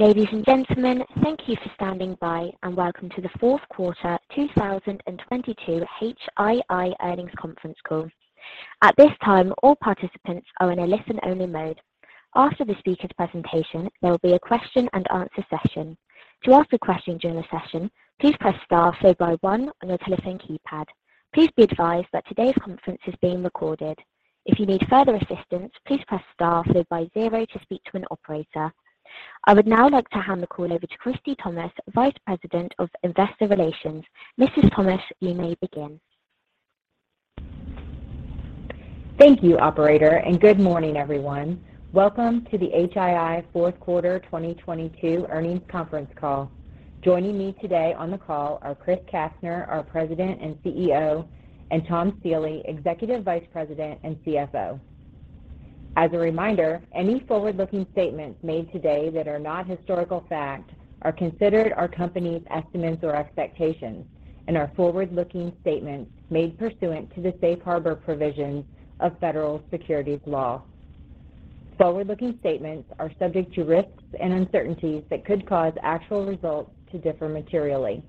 Ladies and gentlemen, thank you for standing by, and welcome to the fourth quarter 2022 HII earnings conference call. At this time, all participants are in a listen-only mode. After the speaker's presentation, there will be a question-and-answer session. To ask a question during the session, please press star followed by one on your telephone keypad. Please be advised that today's conference is being recorded. If you need further assistance, please press star followed by zero to speak to an operator. I would now like to hand the call over to Christie Thomas, Vice President of Investor Relations. Mrs. Thomas, you may begin. Thank you, operator. Good morning, everyone. Welcome to the HII fourth quarter 2022 earnings conference call. Joining me today on the call are Chris Kastner, our President and CEO, and Tom Stiehle, Executive Vice President and CFO. As a reminder, any forward-looking statements made today that are not historical fact are considered our company's estimates or expectations and are forward-looking statements made pursuant to the safe harbor provisions of federal securities law. Forward-looking statements are subject to risks and uncertainties that could cause actual results to differ materially.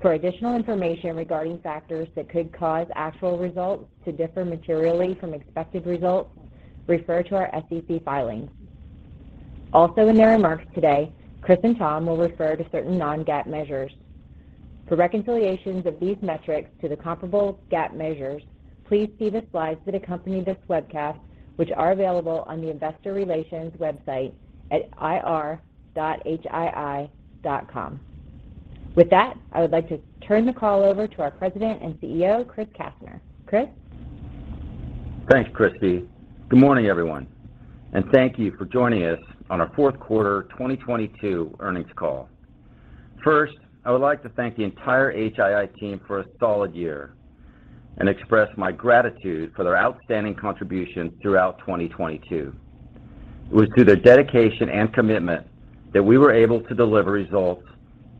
For additional information regarding factors that could cause actual results to differ materially from expected results, refer to our SEC filings. In their remarks today, Chris and Tom will refer to certain non-GAAP measures. For reconciliations of these metrics to the comparable GAAP measures, please see the slides that accompany this webcast, which are available on the investor relations website at ir.hii.com. With that, I would like to turn the call over to our President and CEO, Chris Kastner. Chris? Thanks, Christie. Good morning, everyone, and thank you for joining us on our fourth quarter 2022 earnings call. First, I would like to thank the entire HII team for a solid year and express my gratitude for their outstanding contribution throughout 2022. It was through their dedication and commitment that we were able to deliver results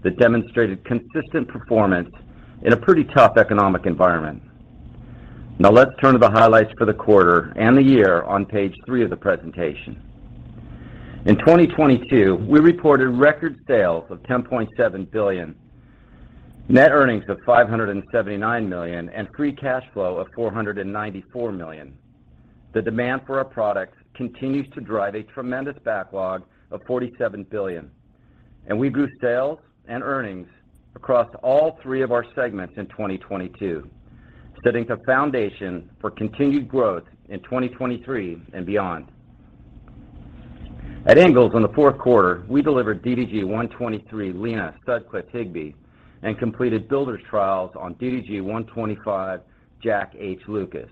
that demonstrated consistent performance in a pretty tough economic environment. Now let's turn to the highlights for the quarter and the year on page 3 of the presentation. In 2022, we reported record sales of $10.7 billion, net earnings of $579 million, and free cash flow of $494 million. The demand for our products continues to drive a tremendous backlog of $47 billion, and we grew sales and earnings across all three of our segments in 2022, setting the foundation for continued growth in 2023 and beyond. At Ingalls in the fourth quarter, we delivered DDG-123 Lenah Sutcliffe Higbee and completed builder's trials on DDG-125 Jack H. Lucas,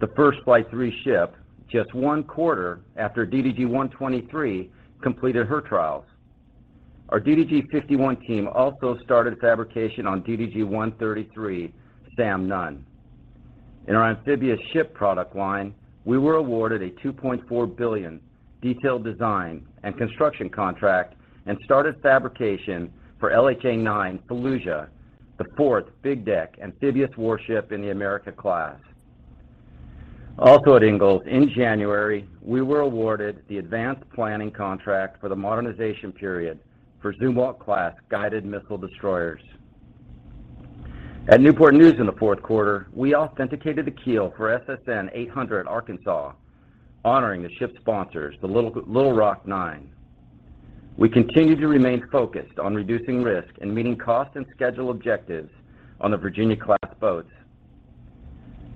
the first Flight III ship, just one quarter after DDG-123 completed her trials. Our DDG-51 team also started fabrication on DDG-133 Sam Nunn. In our amphibious ship product line, we were awarded a $2.4 billion detailed design and construction contract and started fabrication for LHA-9 Fallujah, the fourth big deck amphibious warship in the America class. Also at Ingalls, in January, we were awarded the advanced planning contract for the modernization period for Zumwalt-class guided-missile destroyers. At Newport News in the fourth quarter, we authenticated the keel for SSN-800 Arkansas, honoring the ship's sponsors, the Little Rock Nine. We continue to remain focused on reducing risk and meeting cost and schedule objectives on the Virginia-class boats.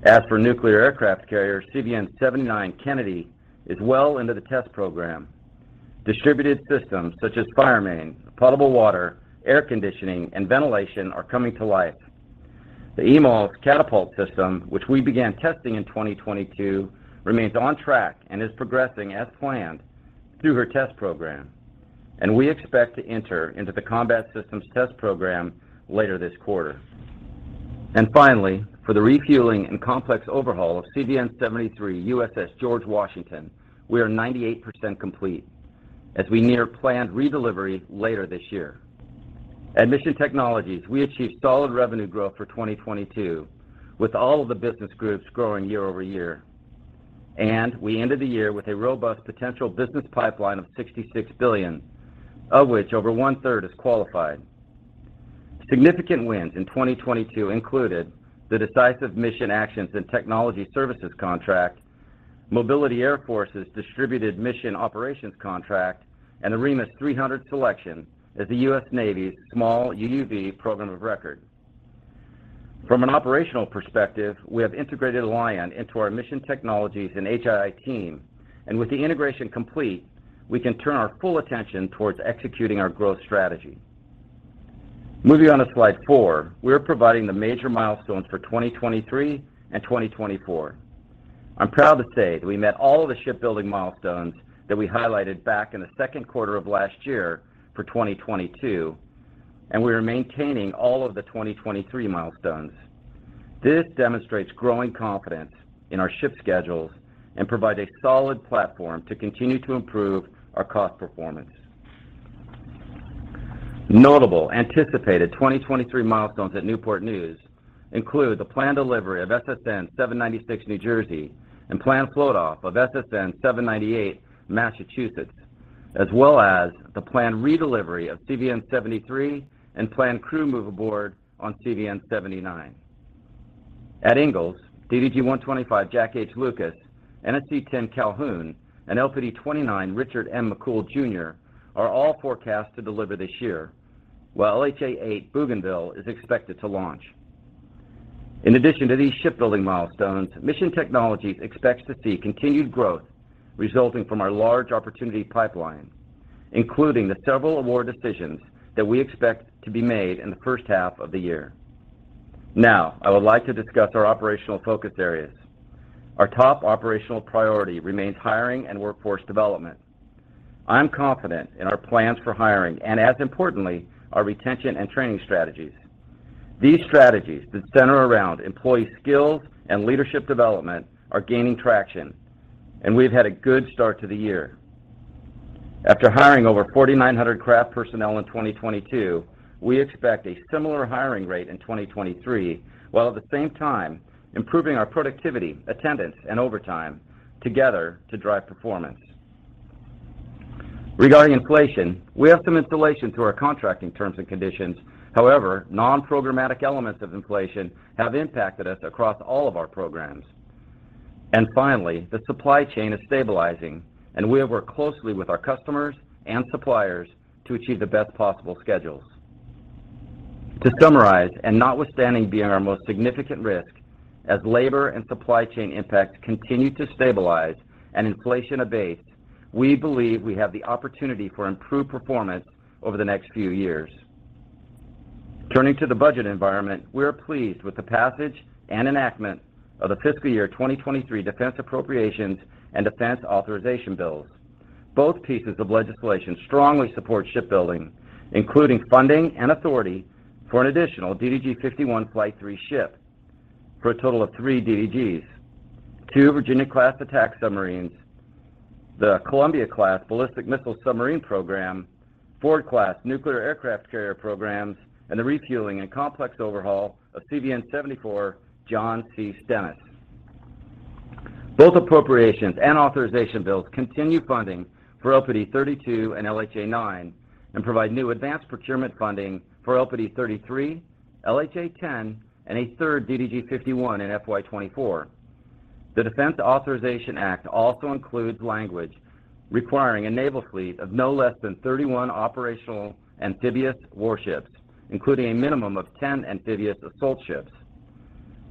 As for nuclear aircraft carrier, CVN-79 Kennedy is well into the test program. Distributed systems such as fire main, potable water, air conditioning, and ventilation are coming to life. The EMALS catapult system, which we began testing in 2022, remains on track and is progressing as planned through her test program. We expect to enter into the combat systems test program later this quarter. Finally, for the refueling and complex overhaul of CVN-73 USS George Washington, we are 98% complete as we near planned redelivery later this year. At Mission Technologies, we achieved solid revenue growth for 2022, with all of the business groups growing year-over-year. We ended the year with a robust potential business pipeline of $66 billion, of which over 1/3 is qualified. Significant wins in 2022 included the Decisive Mission Actions and Technology Services contract, Mobility Air Force Distributed Mission Operations contract, and REMUS 300 selection as the U.S. Navy's small UUV program of record. From an operational perspective, we have integrated Alion into our Mission Technologies and HII team. With the integration complete, we can turn our full attention towards executing our growth strategy. Moving on to slide 4, we are providing the major milestones for 2023 and 2024. I'm proud to say that we met all of the shipbuilding milestones that we highlighted back in the second quarter of last year for 2022, and we are maintaining all of the 2023 milestones. This demonstrates growing confidence in our ship schedules and provides a solid platform to continue to improve our cost performance. Notable anticipated 2023 milestones at Newport News include the planned delivery of SSN 796 New Jersey and planned float off of SSN 798 Massachusetts, as well as the planned redelivery of CVN-73 and planned crew move aboard on CVN-79. At Ingalls, DDG-125 Jack H. Lucas, NSC-10 Calhoun, and LPD-29 Richard M. McCool Jr. are all forecast to deliver this year, while LHA-8 Bougainville is expected to launch. In addition to these shipbuilding milestones, Mission Technologies expects to see continued growth resulting from our large opportunity pipeline, including the several award decisions that we expect to be made in the first half of the year. Now, I would like to discuss our operational focus areas. Our top operational priority remains hiring and workforce development. I'm confident in our plans for hiring and, as importantly, our retention and training strategies. These strategies that center around employee skills and leadership development are gaining traction, and we've had a good start to the year. After hiring over 4,900 craft personnel in 2022, we expect a similar hiring rate in 2023, while at the same time improving our productivity, attendance, and overtime together to drive performance. Regarding inflation, we have some insulation through our contracting terms and conditions. However, non-programmatic elements of inflation have impacted us across all of our programs. Finally, the supply chain is stabilizing, and we have worked closely with our customers and suppliers to achieve the best possible schedules. To summarize, notwithstanding being our most significant risk, as labor and supply chain impacts continue to stabilize and inflation abates, we believe we have the opportunity for improved performance over the next few years. Turning to the budget environment, we are pleased with the passage and enactment of the fiscal year 2023 defense appropriations and defense authorization bills. Both pieces of legislation strongly support shipbuilding, including funding and authority for an additional DDG-51 Flight III ship for a total of three DDGs, two Virginia-class attack submarines, the Columbia-class ballistic missile submarine program, Ford-class nuclear aircraft carrier programs, and the refueling and complex overhaul of CVN 74 John C. Stennis. Both appropriations and authorization bills continue funding for LPD 32 and LHA-9 and provide new advanced procurement funding for LPD 33, LHA 10, and a third DDG-51 in FY24. The Defense Authorization Act also includes language requiring a naval fleet of no less than 31 operational amphibious warships, including a minimum of 10 amphibious assault ships.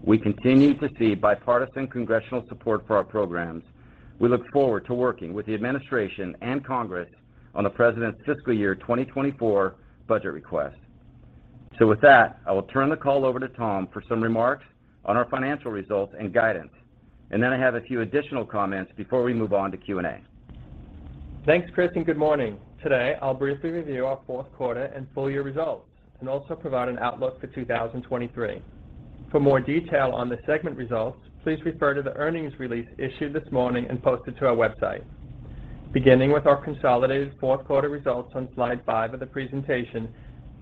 We continue to see bipartisan congressional support for our programs. We look forward to working with the administration and Congress on the president's fiscal year 2024 budget request. With that, I will turn the call over to Tom for some remarks on our financial results and guidance. I have a few additional comments before we move on to Q&A. Thanks, Chris, and good morning. Today, I'll briefly review our fourth quarter and full year results and also provide an outlook for 2023. For more detail on the segment results, please refer to the earnings release issued this morning and posted to our website. Beginning with our consolidated fourth quarter results on slide five of the presentation,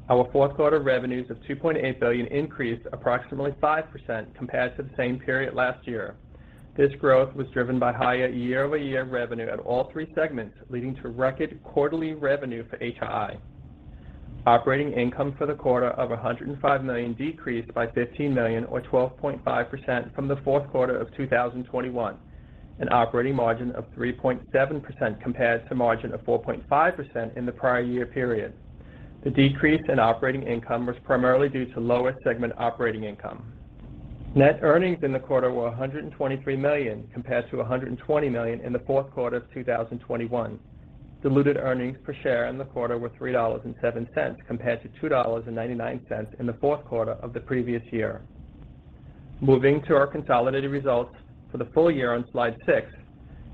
our fourth quarter revenues of $2.8 billion increased approximately 5% compared to the same period last year. This growth was driven by higher year-over-year revenue at all three segments, leading to record quarterly revenue for HII. Operating income for the quarter of $105 million decreased by $15 million or 12.5% from the fourth quarter of 2021, an operating margin of 3.7% compared to margin of 4.5% in the prior year period. The decrease in operating income was primarily due to lower segment operating income. Net earnings in the quarter were $123 million compared to $120 million in the fourth quarter of 2021. Diluted earnings per share in the quarter were $3.07 compared to $2.99 in the fourth quarter of the previous year. Moving to our consolidated results for the full year on Slide six,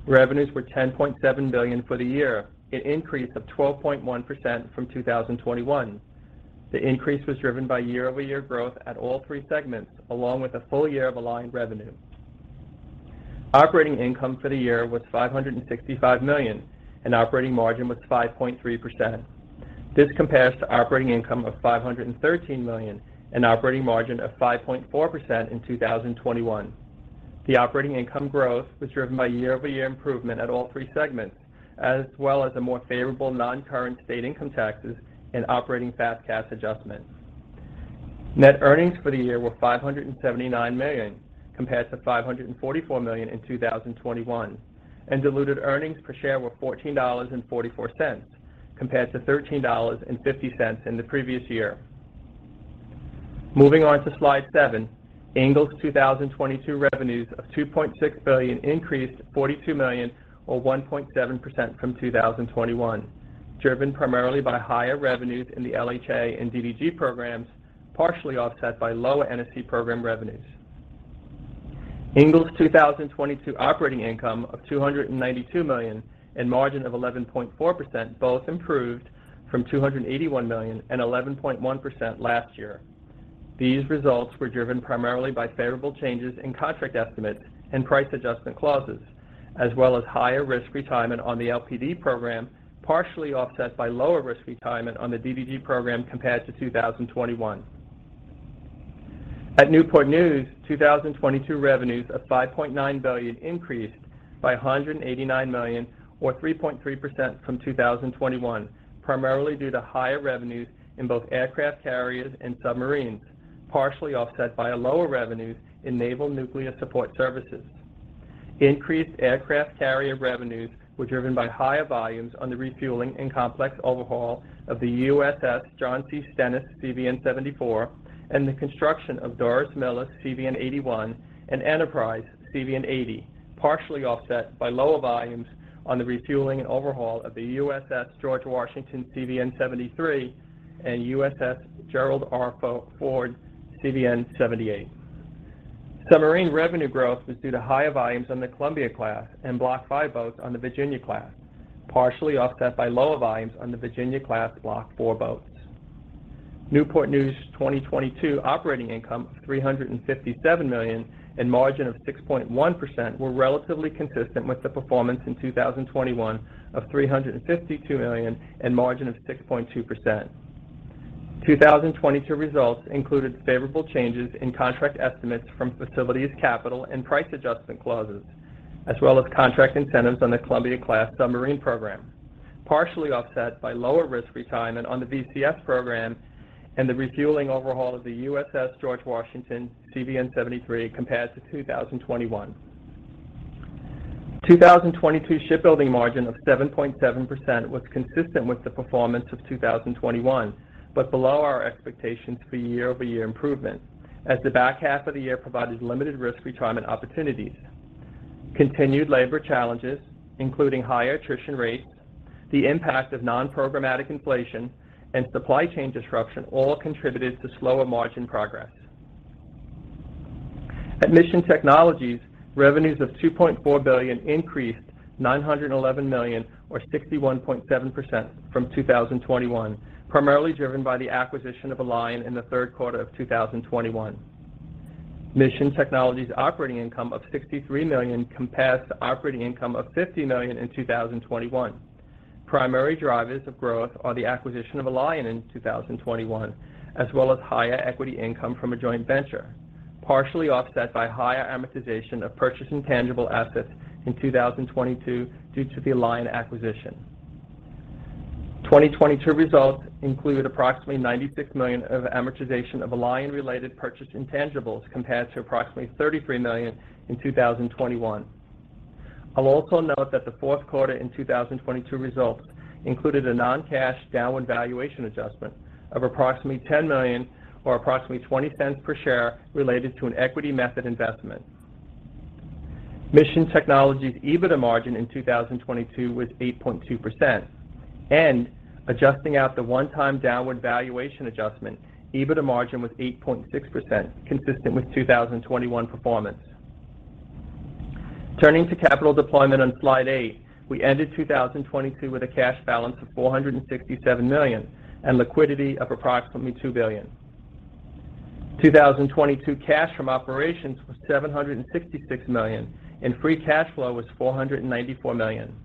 revenues were $10.7 billion for the year, an increase of 12.1% from 2021. The increase was driven by year-over-year growth at all three segments, along with a full year of Alion revenue. Operating income for the year was $565 million, and operating margin was 5.3%. This compares to operating income of $513 million and operating margin of 5.4% in 2021. The operating income growth was driven by year-over-year improvement at all three segments, as well as a more favorable non-current state income taxes and operating fast cash adjustments. Net earnings for the year were $579 million compared to $544 million in 2021. Diluted earnings per share were $14.44 compared to $13.50 in the previous year. Moving on to slide seven, Ingalls' 2022 revenues of $2.6 billion increased $42 million or 1.7% from 2021, driven primarily by higher revenues in the LHA and DDG programs, partially offset by lower NSC program revenues. Ingalls' 2022 operating income of $292 million and margin of 11.4% both improved from $281 million and 11.1% last year. These results were driven primarily by favorable changes in contract estimates and price adjustment clauses, as well as higher risk retirement on the LPD program, partially offset by lower risk retirement on the DDG program compared to 2021. At Newport News, 2022 revenues of $5.9 billion increased by $189 million or 3.3% from 2021, primarily due to higher revenues in both aircraft carriers and submarines, partially offset by a lower revenue in naval nuclear support services. Increased aircraft carrier revenues were driven by higher volumes on the refueling and complex overhaul of the USS John C. Stennis, CVN-74, and the construction of Doris Miller, CVN-81, and Enterprise, CVN-80, partially offset by lower volumes on the refueling and overhaul of the USS George Washington, CVN-73, and USS Gerald R. Ford, CVN-78. Submarine revenue growth was due to higher volumes on the Columbia-class and Block V boats on the Virginia-class, partially offset by lower volumes on the Virginia-class Block IV boats. Newport News's 2022 operating income of $357 million and margin of 6.1% were relatively consistent with the performance in 2021 of $352 million and margin of 6.2%. 2022 results included favorable changes in contract estimates from facilities capital and price adjustment clauses, as well as contract incentives on the Columbia-class submarine program, partially offset by lower risk retirement on the VCS program and the refueling overhaul of the USS George Washington, CVN-73, compared to 2021. 2022 shipbuilding margin of 7.7% was consistent with the performance of 2021, but below our expectations for year-over-year improvement, as the back half of the year provided limited risk retirement opportunities. Continued labor challenges, including higher attrition rates, the impact of non-programmatic inflation, and supply chain disruption all contributed to slower margin progress. At Mission Technologies, revenues of $2.4 billion increased $911 million or 61.7% from 2021, primarily driven by the acquisition of Alion in the third quarter of 2021. Mission Technologies' operating income of $63 million compares to operating income of $50 million in 2021. Primary drivers of growth are the acquisition of Alion in 2021, as well as higher equity income from a joint venture, partially offset by higher amortization of purchased intangible assets in 2022 due to the Alion acquisition. 2022 results include approximately $96 million of amortization of Alion-related purchased intangibles compared to approximately $33 million in 2021. I'll also note that the fourth quarter in 2022 results included a non-cash downward valuation adjustment of approximately $10 million or approximately $0.20 per share related to an equity method investment. Mission Technologies' EBITDA margin in 2022 was 8.2%, and adjusting out the one-time downward valuation adjustment, EBITDA margin was 8.6%, consistent with 2021 performance. Turning to capital deployment on slide 8, we ended 2022 with a cash balance of $467 million and liquidity of approximately $2 billion. 2022 cash from operations was $766 million, and free cash flow was $494 million.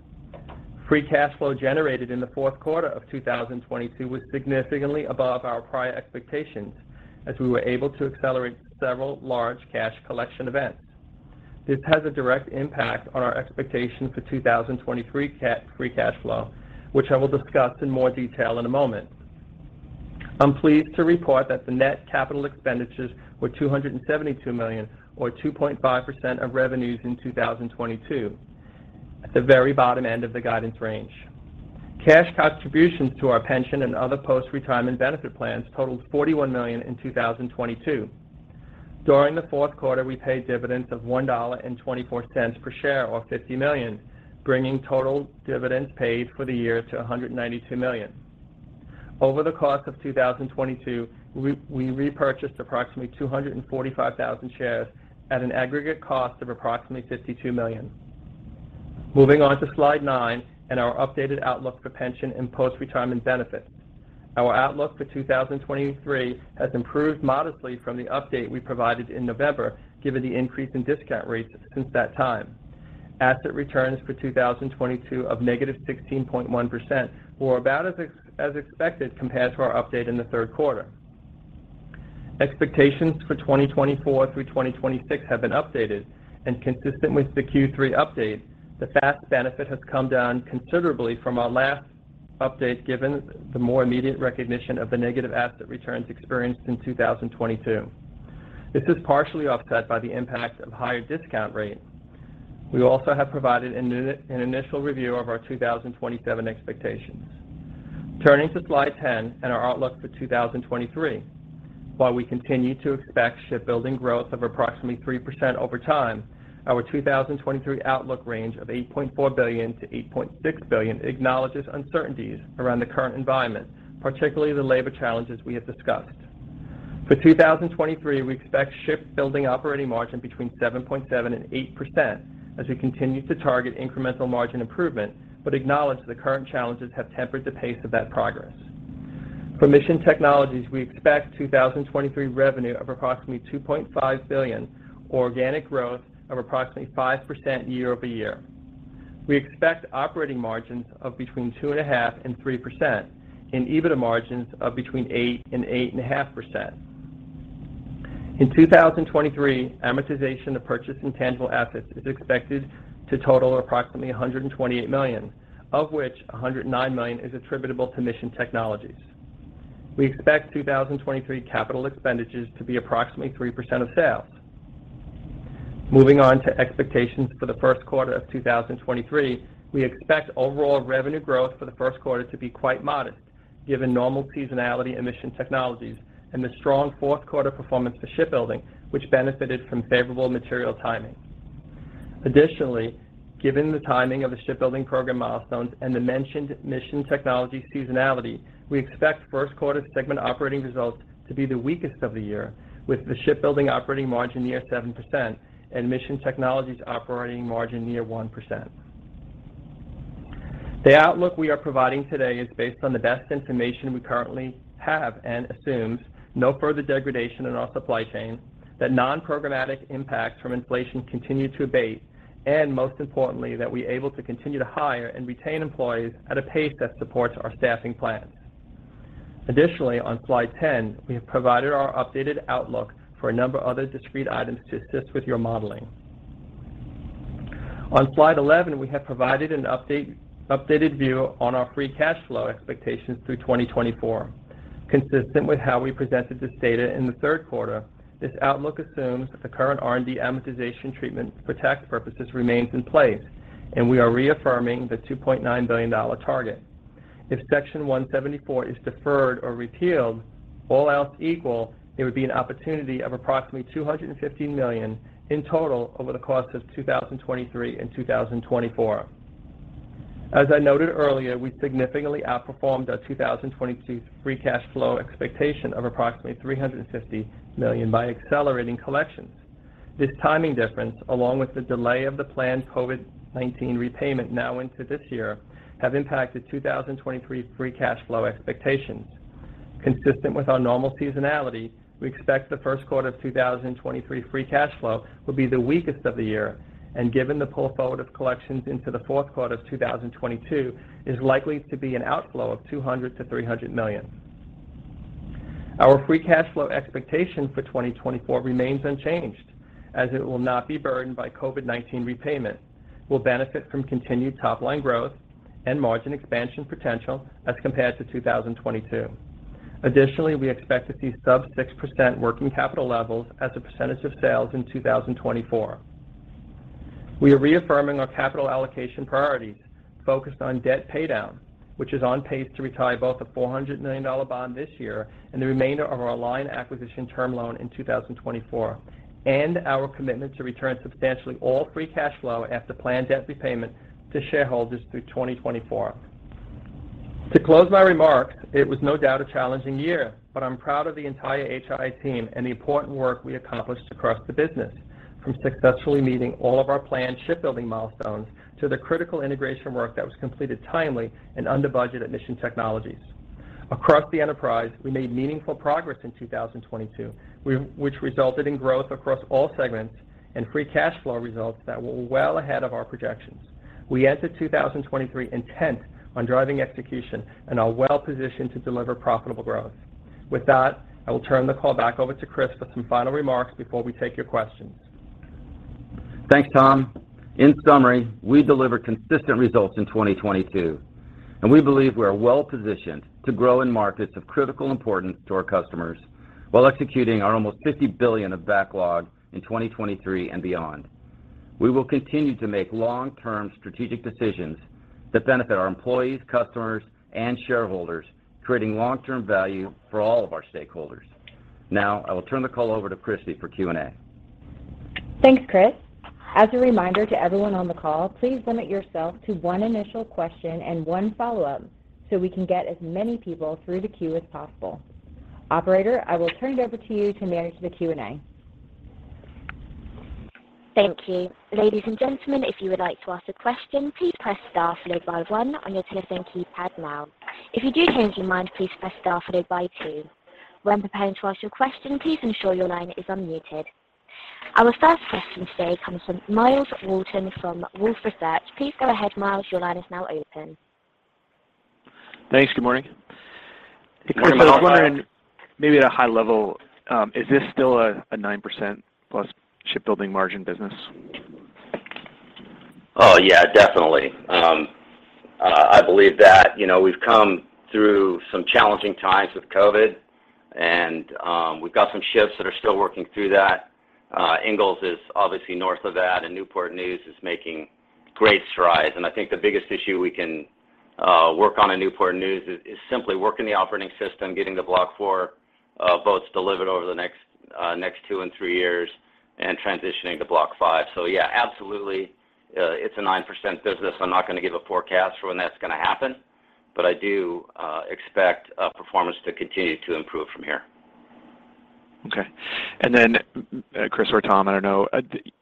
Free cash flow generated in the fourth quarter of 2022 was significantly above our prior expectations as we were able to accelerate several large cash collection events. This has a direct impact on our expectations for 2023 free cash flow, which I will discuss in more detail in a moment. I'm pleased to report that the net capital expenditures were $272 million or 2.5% of revenues in 2022, at the very bottom end of the guidance range. Cash contributions to our pension and other post-retirement benefit plans totaled $41 million in 2022. During the fourth quarter, we paid dividends of $1.24 per share, or $50 million, bringing total dividends paid for the year to $192 million. Over the course of 2022, we repurchased approximately 245,000 shares at an aggregate cost of approximately $52 million. Moving on to slide nine and our updated outlook for pension and post-retirement benefits. Our outlook for 2023 has improved modestly from the update we provided in November, given the increase in discount rates since that time. Asset returns for 2022 of -16.1% were about as expected compared to our update in the third quarter. Expectations for 2024 through 2026 have been updated and consistent with the Q3 update, the fast benefit has come down considerably from our last update given the more immediate recognition of the negative asset returns experienced in 2022. This is partially offset by the impact of higher discount rate. We also have provided an initial review of our 2027 expectations. Turning to slide 10 and our outlook for 2023. While we continue to expect shipbuilding growth of approximately 3% over time, our 2023 outlook range of $8.4 billion-$8.6 billion acknowledges uncertainties around the current environment, particularly the labor challenges we have discussed. For 2023, we expect shipbuilding operating margin between 7.7% and 8% as we continue to target incremental margin improvement, but acknowledge the current challenges have tempered the pace of that progress. For Mission Technologies, we expect 2023 revenue of approximately $2.5 billion organic growth of approximately 5% year-over-year. We expect operating margins of between 2.5% and 3% and EBITDA margins of between 8% and 8.5%. In 2023, amortization of purchased intangible assets is expected to total approximately $128 million, of which $109 million is attributable to Mission Technologies. We expect 2023 capital expenditures to be approximately 3% of sales. Moving on to expectations for the first quarter of 2023, we expect overall revenue growth for the first quarter to be quite modest given normal seasonality in Mission Technologies and the strong fourth quarter performance for shipbuilding, which benefited from favorable material timing. Given the timing of the shipbuilding program milestones and the mentioned Mission Technologies seasonality, we expect first quarter segment operating results to be the weakest of the year with the shipbuilding operating margin near 7% and Mission Technologies operating margin near 1%. The outlook we are providing today is based on the best information we currently have and assumes no further degradation in our supply chain, that non-programmatic impacts from inflation continue to abate, and most importantly, that we're able to continue to hire and retain employees at a pace that supports our staffing plans. On slide 10, we have provided our updated outlook for a number of other discrete items to assist with your modeling. On slide 11, we have provided an updated view on our free cash flow expectations through 2024. Consistent with how we presented this data in the third quarter, this outlook assumes that the current R&D amortization treatment for tax purposes remains in place, and we are reaffirming the $2.9 billion target. If Section 174 is deferred or repealed, all else equal, there would be an opportunity of approximately $250 million in total over the course of 2023 and 2024. As I noted earlier, I mean, we significantly outperformed our 2022 free cash flow expectation of approximately $350 million by accelerating collections. This timing difference, along with the delay of the planned COVID-19 repayment now into this year, have impacted 2023 free cash flow expectations. Consistent with our normal seasonality, we expect the first quarter of 2023 free cash flow will be the weakest of the year, and given the pull forward of collections into the fourth quarter of 2022, is likely to be an outflow of $200 million-$300 million. Our free cash flow expectation for 2024 remains unchanged as it will not be burdened by COVID-19 repayment. We'll benefit from continued top-line growth and margin expansion potential as compared to 2022. We expect to see sub 6% working capital levels as a percentage of sales in 2024. We are reaffirming our capital allocation priorities focused on debt paydown, which is on pace to retire both the $400 million bond this year and the remainder of our line acquisition term loan in 2024, and our commitment to return substantially all free cash flow after planned debt repayment to shareholders through 2024. To close my remarks, it was no doubt a challenging year. I'm proud of the entire HII team and the important work we accomplished across the business, from successfully meeting all of our planned shipbuilding milestones to the critical integration work that was completed timely and under budget at Mission Technologies. Across the enterprise, we made meaningful progress in 2022, which resulted in growth across all segments and free cash flow results that were well ahead of our projections. We enter 2023 intent on driving execution and are well positioned to deliver profitable growth. With that, I will turn the call back over to Chris for some final remarks before we take your questions. Thanks, Tom. In summary, we delivered consistent results in 2022. We believe we are well-positioned to grow in markets of critical importance to our customers while executing our almost $50 billion of backlog in 2023 and beyond. We will continue to make long-term strategic decisions that benefit our employees, customers, and shareholders, creating long-term value for all of our stakeholders. Now, I will turn the call over to Christy for Q&A. Thanks, Chris. As a reminder to everyone on the call, please limit yourself to one initial question and one follow-up so we can get asmany people through the queue as possible. Operator, I will turn it over to you to manage the Q&A. Thank you. Ladies and gentlemen, if you would like to ask a question, please press star followed by one on your telephone keypad now. If you do change your mind, please Press Star followed by two. When preparing to ask your question, please ensure your line is unmuted. Our first question today comes from Myles Walton from Wolfe Research. Please go ahead, Myles. Your line is now open. Thanks. Good morning. Good morning, Myles. I was wondering, maybe at a high level, is this still a 9% plus shipbuilding margin business? Yeah, definitely. I believe that, you know, we've come through some challenging times with COVID and we've got some ships that are still working through that. Ingalls is obviously north of that, Newport News is making great strides. I think the biggest issue we can work on in Newport News is simply working the operating system, getting the Block IV boats delivered over the next next and three years and transitioning to Block V. Yeah, absolutely, it's a 9% business. I'm not gonna give a forecast for when that's gonna happen, but I do expect performance to continue to improve from here. Okay. Chris or Tom, I don't know,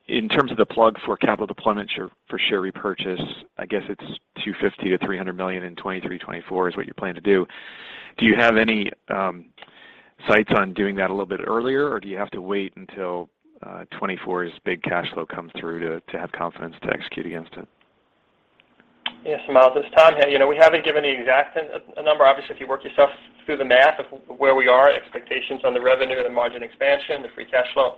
in terms of the plug for capital deployment for share repurchase, I guess it's $250 million-$300 million in 2023, 2024 is what you plan to do. Do you have any sights on doing that a little bit earlier, or do you have to wait until 2024's big cash flow comes through to have confidence to execute against it? Yes, Myles, it's Tom here. You know, we haven't given the exact number. Obviously, if you work yourself through the math of where we are, expectations on the revenue and the margin expansion, the free cash flow,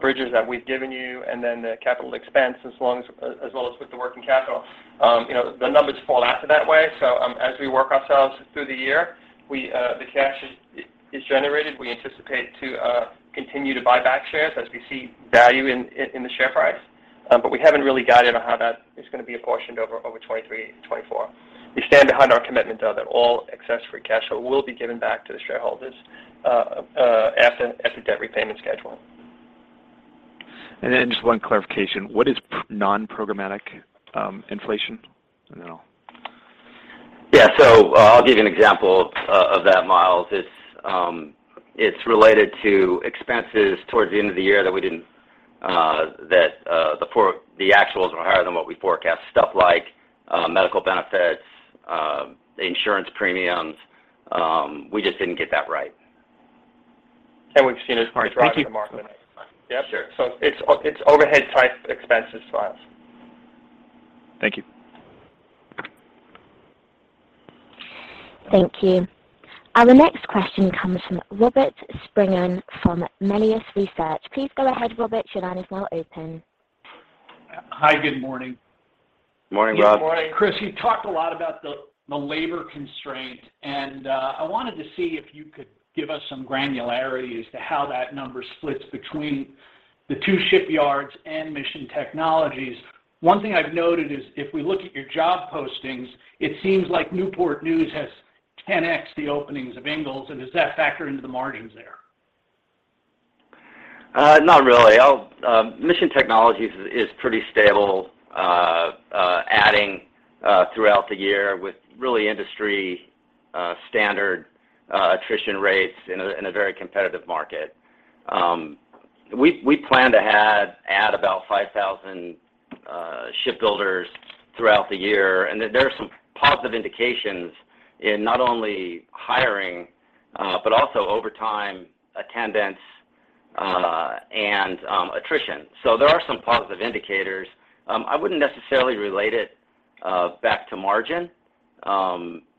bridges that we've given you, and then the capital expense as well as with the working capital, you know, the numbers fall out to that way. As we work ourselves through the year, the cash is generated. We anticipate to continue to buy back shares as we see value in the share price. But we haven't really guided on how that is gonna be apportioned over 2023 and 2024. We stand behind our commitment, though, that all excess free cash flow will be given back to the shareholders after debt repayment schedule. Just 1 clarification. What is non-programmatic inflation? I don't know. I'll give you an example of that, Myles. It's related to expenses towards the end of the year that we didn't, that, the actuals were higher than what we forecast, stuff like, medical benefits, insurance premiums. We just didn't get that right. We've seen those margins drop in the market next time. Yeah, sure. It's overhead type expenses for us. Thank you. Thank you. Our next question comes from Robert Spingarn from Melius Research. Please go ahead, Robert. Your line is now open. Hi, good morning. Morning, Rob. Good morning. Chris, you talked a lot about the labor constraint, I wanted to see if you could give us some granularity as to how that number splits between the two shipyards and Mission Technologies. One thing I've noted is if we look at your job postings, it seems like Newport News has 10x the openings of Ingalls. Does that factor into the margins there? Not really. I'll Mission Technologies is pretty stable, adding throughout the year with really industry standard attrition rates in a very competitive market. We plan to add about 5,000 shipbuilders throughout the year. There are some positive indications in not only hiring, but also over time, attendance, and attrition. There are some positive indicators. I wouldn't necessarily relate it back to margin.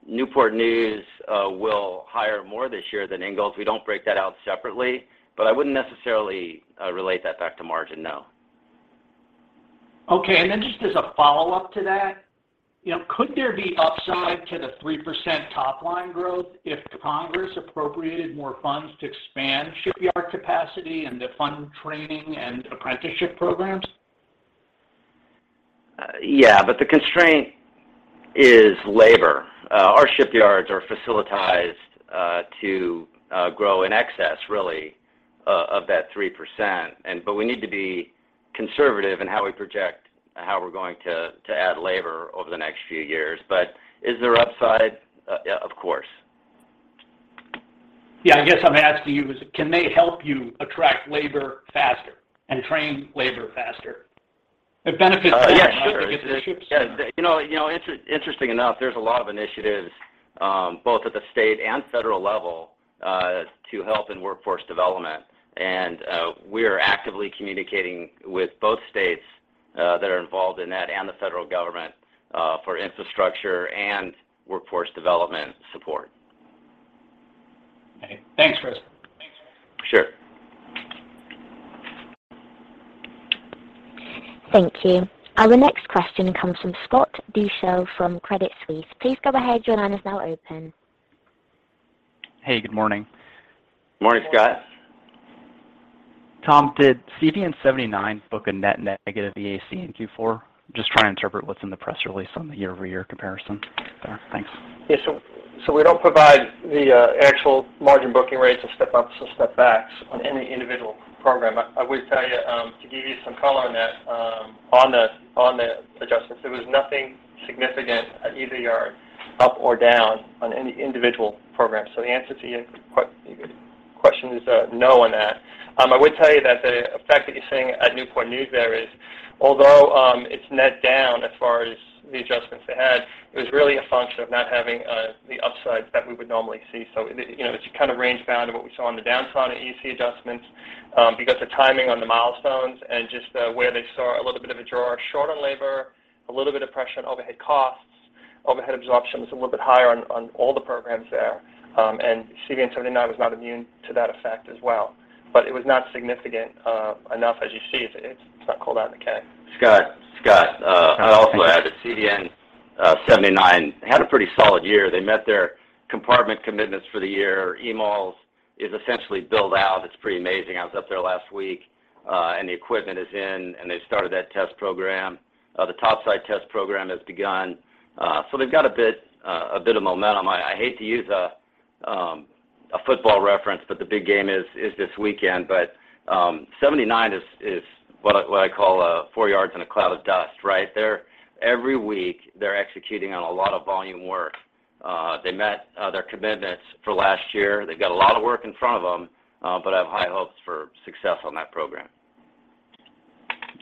Newport News will hire more this year than Ingalls. We don't break that out separately, but I wouldn't necessarily relate that back to margin. No. Okay. Then just as a follow-up to that, you know, could there be upside to the 3% top line growth if Congress appropriated more funds to expand shipyard capacity and to fund training and apprenticeship programs? Yeah. The constraint is labor. Our shipyards are facilitized to grow in excess, really, of that 3%. We need to be conservative in how we project how we're going to add labor over the next few years. Is there upside? Yeah, of course. Yeah. I guess I'm asking you is, can they help you attract labor faster and train labor faster? It benefits them- Yeah, sure. to get the ships sooner. You know, interesting enough, there's a lot of initiatives, both at the state and federal level, to help in workforce development. We are actively communicating with both states that are involved in that and the federal government, for infrastructure and workforce development support. Okay. Thanks, Chris. Sure. Thank you. Our next question comes from Scott Deuschle from Credit Suisse. Please go ahead. Your line is now open. Hey, good morning. Morning, Scott. Tom, did CVN 79 book a net negative VAC in Q4? Just trying to interpret what's in the press release on the year-over-year comparison there. Thanks. We don't provide the actual margin booking rates of step ups or step backs on any individual program. I would tell you, to give you some color on that, on the adjustments, there was nothing significant at either yard up or down on any individual program. The answer to your question is no on that. I would tell you that the effect that you're seeing at Newport News there is, although, it's net down as far as the adjustments they had, it was really a function of not having the upside that we would normally see. you know, it's kind of range bound of what we saw on the downside of EAC adjustments, because the timing on the milestones and just where they saw a little bit of a draw short on labor, a little bit of pressure on overhead costs. Overhead absorption was a little bit higher on all the programs there. And CVN-79 was not immune to that effect as well, but it was not significant enough as you see. It's not called out in the K. Scott, I'd also add that CVN 79 had a pretty solid year. They met their compartment commitments for the year. EMALS is essentially built out. It's pretty amazing. I was up there last week, and the equipment is in, and they've started that test program. The top side test program has begun. So they've got a bit, a bit of momentum. I hate to use a football reference, but the big game is this weekend. But, 79 is what I, what I call a 4 yards and a cloud of dust, right? Every week, they're executing on a lot of volume work. They met their commitments for last year. They've got a lot of work in front of them, but I have high hopes for success on that program.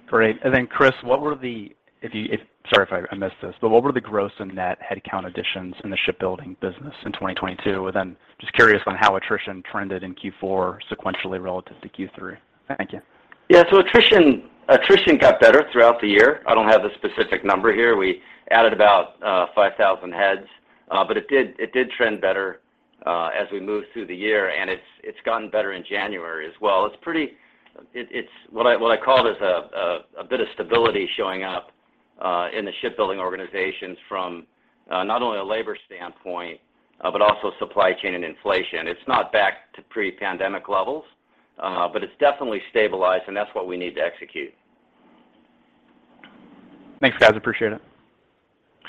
Great. Chris, what were the, if you, sorry if I missed this, but what were the gross and net headcount additions in the shipbuilding business in 2022? Just curious on how attrition trended in Q4 sequentially relative to Q3. Thank you. Attrition got better throughout the year. I don't have the specific number here. We added about 5,000 heads, but it did trend better as we moved through the year, and it's gotten better in January as well. It's what I call this a bit of stability showing up in the shipbuilding organizations from not only a labor standpoint, but also supply chain and inflation. It's not back to pre-pandemic levels, but it's definitely stabilized, and that's what we need to execute. Thanks, guys. Appreciate it.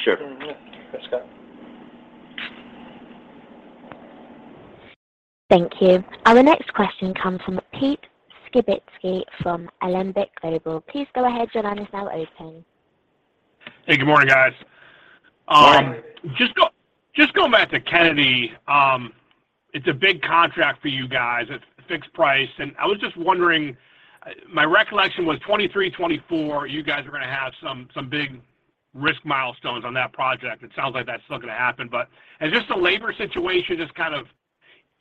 Sure. Mm-hmm. Thanks, Scott. Thank you. Our next question comes from Pete Skibitski from Alembic Global. Please go ahead. Your line is now open. Hey, good morning, guys. Morning. Just going back to Kennedy, it's a big contract for you guys. It's fixed price. I was just wondering, my recollection was 2023, 2024, you guys are gonna have some big risk milestones on that project. It sounds like that's still gonna happen. Has just the labor situation just kind of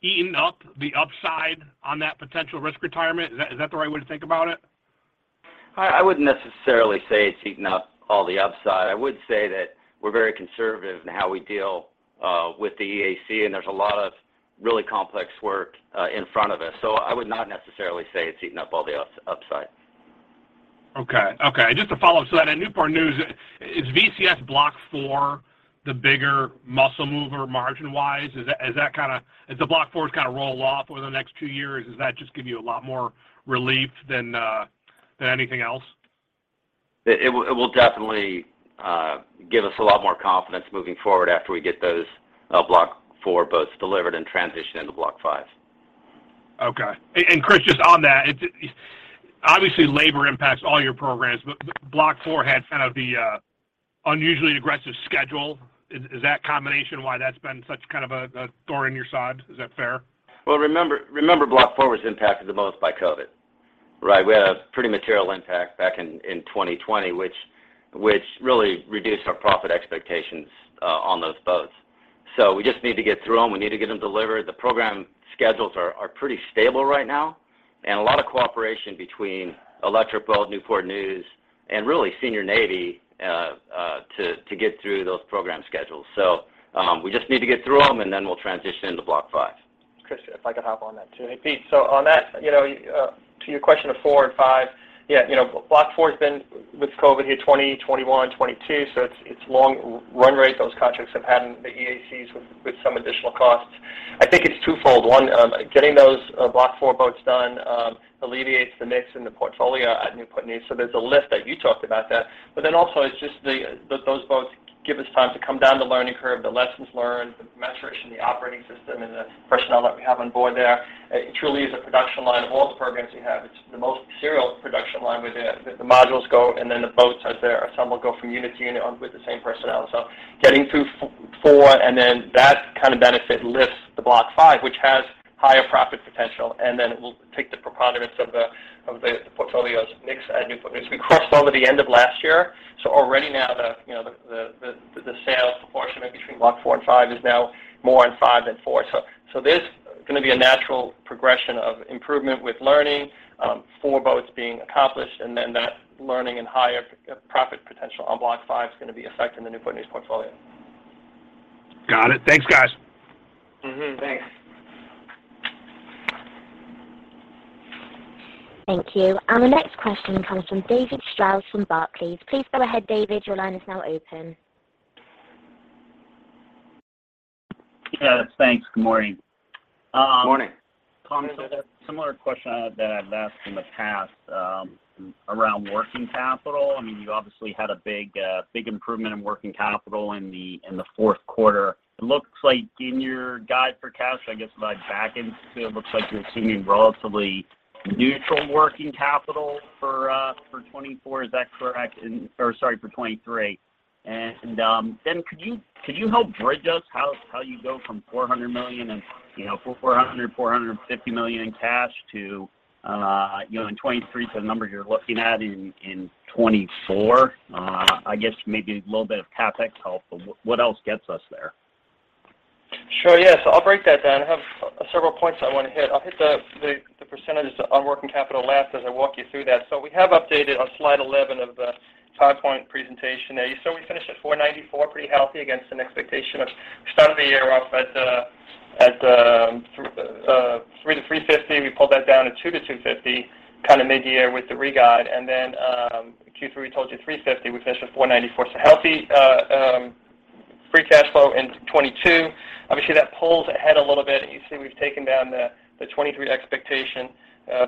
eaten up the upside on that potential risk retirement? Is that the right way to think about it? I wouldn't necessarily say it's eaten up all the upside. I would say that we're very conservative in how we deal with the EAC, and there's a lot of really complex work in front of us. I would not necessarily say it's eaten up all the upside. Okay. Okay. Just to follow up to that, at Newport News, is VCS Block IV the bigger muscle mover margin-wise? Is that kinda... As the Block IVs kinda roll off over the next two years, does that just give you a lot more relief than anything else? It will definitely give us a lot more confidence moving forward after we get those Block IV boats delivered and transitioned into Block V. Okay. Chris, just on that, obviously labor impacts all your programs, but Block IV had kind of the unusually aggressive schedule. Is that combination why that's been such kind of a thorn in your side? Is that fair? Well, remember Block IV was impacted the most by COVID, right? We had a pretty material impact back in 2020, which really reduced our profit expectations on those boats. We just need to get through them. We need to get them delivered. The program schedules are pretty stable right now, and a lot of cooperation between Electric Boat, Newport News, and really senior Navy to get through those program schedules. We just need to get through them, and then we'll transition into Block V. Chris, if I could hop on that too. Hey, Pete. On that, you know, to your question of four and five, yeah, you know, Block IV's been with COVID here 2020, 2021, 2022, it's long run rate those contracts have had in the EACs with some additional costs. I think it's twofold. One, getting those Block IV boats done, alleviates the mix in the portfolio at Newport News, there's a lift that you talked about that. Also, it's just the those boats give us time to come down the learning curve, the lessons learned, the metrics in the operating system and the personnel that we have on board there. It truly is a production line of all the programs we have. It's the most serial production line with the modules go, and then the boats are there. Some will go from unit to unit on with the same personnel. Getting through Block Four and then that kind of benefit lifts the Block Five, which has higher profit potential, and then it will take the preponderance of the portfolio's mix at Newport News. We crossed over the end of last year, already now, you know, the sales apportionment between Block Four and Five is now more in Five than Four. There's gonna be a natural progression of improvement with learning, four boats being accomplished, and then that learning and higher profit potential on Block Five is gonna be affecting the Newport News portfolio. Got it. Thanks, guys. Mm-hmm. Thanks. Thank you. The next question comes from David Strauss from Barclays. Please go ahead, David. Your line is now open. Yeah. Thanks. Good morning. Morning. Tom, similar question that I've asked in the past, around working capital. I mean, you obviously had a big improvement in working capital in the fourth quarter. It looks like in your guide for cash, I guess my back into, it looks like you're assuming relatively neutral working capital for 2024. Is that correct? Or sorry, for 2023. Could you help bridge us how you go from $400 million and, you know, $450 million in cash to, you know, in 2023 to the number you're looking at in 2024? I guess maybe a little bit of CapEx help, but what else gets us there? Sure, yes. I'll break that down. I have several points I want to hit. I'll hit the percentages on working capital last as I walk you through that. We have updated on slide 11 of the PowerPoint presentation there. You saw we finished at $494, pretty healthy against an expectation of started the year off at $300-$350. We pulled that down to $200-$250 kinda midyear with the re-guide. Then Q3, we told you $350. We finished at $494. Healthy free cash flow in 2022. Obviously, that pulls ahead a little bit. You see we've taken down the 2023 expectation.